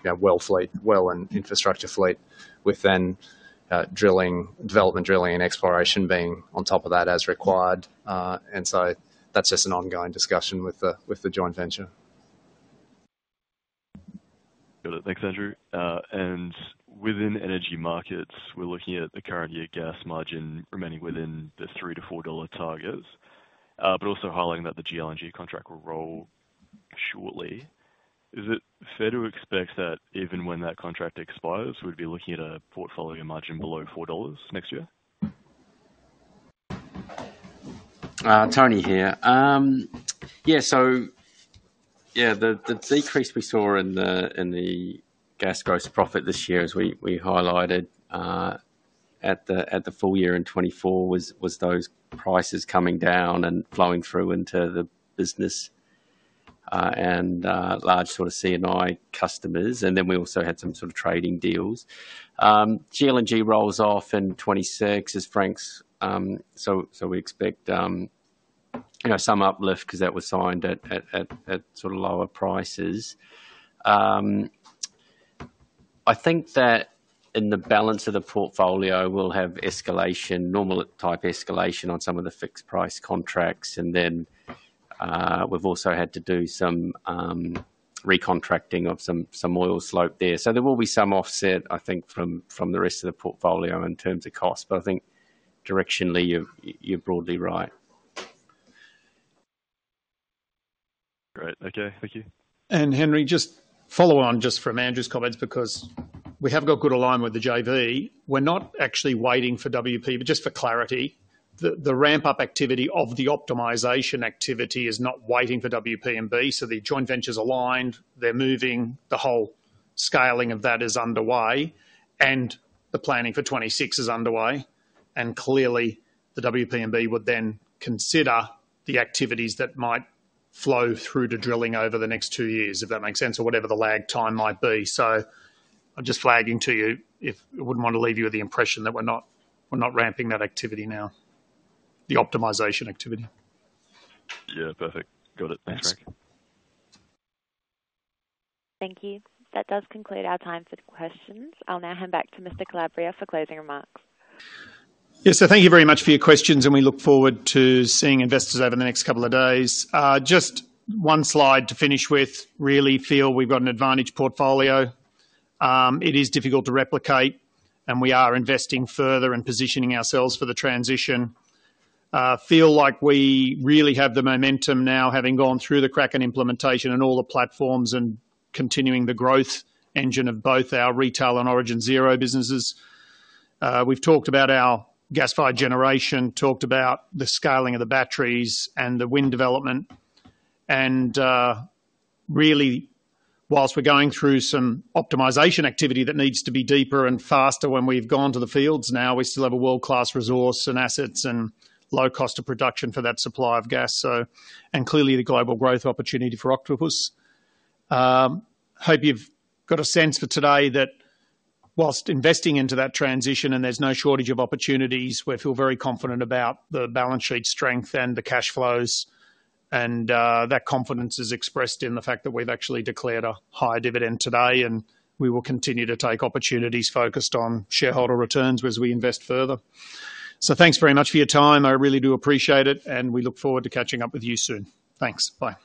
well and infrastructure fleet with then development drilling and exploration being on top of that as required. And so that's just an ongoing discussion with the joint venture. Got it. Thanks, Andrew. And within Energy Markets, we're looking at the current year gas margin remaining within the $3-$4 targets, but also highlighting that the GLNG contract will roll shortly. Is it fair to expect that even when that contract expires, we'd be looking at a portfolio margin below $4 next year? Tony here. Yeah. So yeah, the decrease we saw in the gas gross profit this year, as we highlighted at the full year in 2024, was those prices coming down and flowing through into the business and large sort of C&I customers. And then we also had some sort of trading deals. GLNG rolls off in 2026, as Frank said. So we expect some uplift because that was signed at sort of lower prices. I think that in the balance of the portfolio, we'll have normal-type escalation on some of the fixed-price contracts. And then we've also had to do some recontracting of some APLNG there. So there will be some offset, I think, from the rest of the portfolio in terms of cost. But I think directionally, you're broadly right. Great. Okay. Thank you. Henry, just follow on just from Andrew's comments because we have got good alignment with the JV. We're not actually waiting for WP, but just for clarity, the ramp-up activity of the optimization activity is not waiting for WP&B. So the joint venture's aligned. They're moving. The whole scaling of that is underway. And the planning for 2026 is underway. And clearly, the WP&B would then consider the activities that might flow through to drilling over the next two years, if that makes sense, or whatever the lag time might be. So I'm just flagging to you if I wouldn't want to leave you with the impression that we're not ramping that activity now, the optimization activity. Yeah. Perfect. Got it. Thanks, Frank. Thank you. That does conclude our time for questions. I'll now hand back to Mr. Calabria for closing remarks. Yeah, so thank you very much for your questions, and we look forward to seeing investors over the next couple of days. Just one slide to finish with. Really feel we've got an advantage portfolio. It is difficult to replicate, and we are investing further and positioning ourselves for the transition. Feel like we really have the momentum now, having gone through the Kraken implementation and all the platforms and continuing the growth engine of both our retail and Origin Zero businesses. We've talked about our gas-fired generation, talked about the scaling of the batteries and the wind development. And really, whilst we're going through some optimization activity that needs to be deeper and faster when we've gone to the fields now, we still have a world-class resource and assets and low cost of production for that supply of gas. And clearly, the global growth opportunity for Octopus. Hope you've got a sense for today that whilst investing into that transition and there's no shortage of opportunities, we feel very confident about the balance sheet strength and the cash flows. And that confidence is expressed in the fact that we've actually declared a high dividend today. And we will continue to take opportunities focused on shareholder returns as we invest further. So thanks very much for your time. I really do appreciate it. And we look forward to catching up with you soon. Thanks. Bye.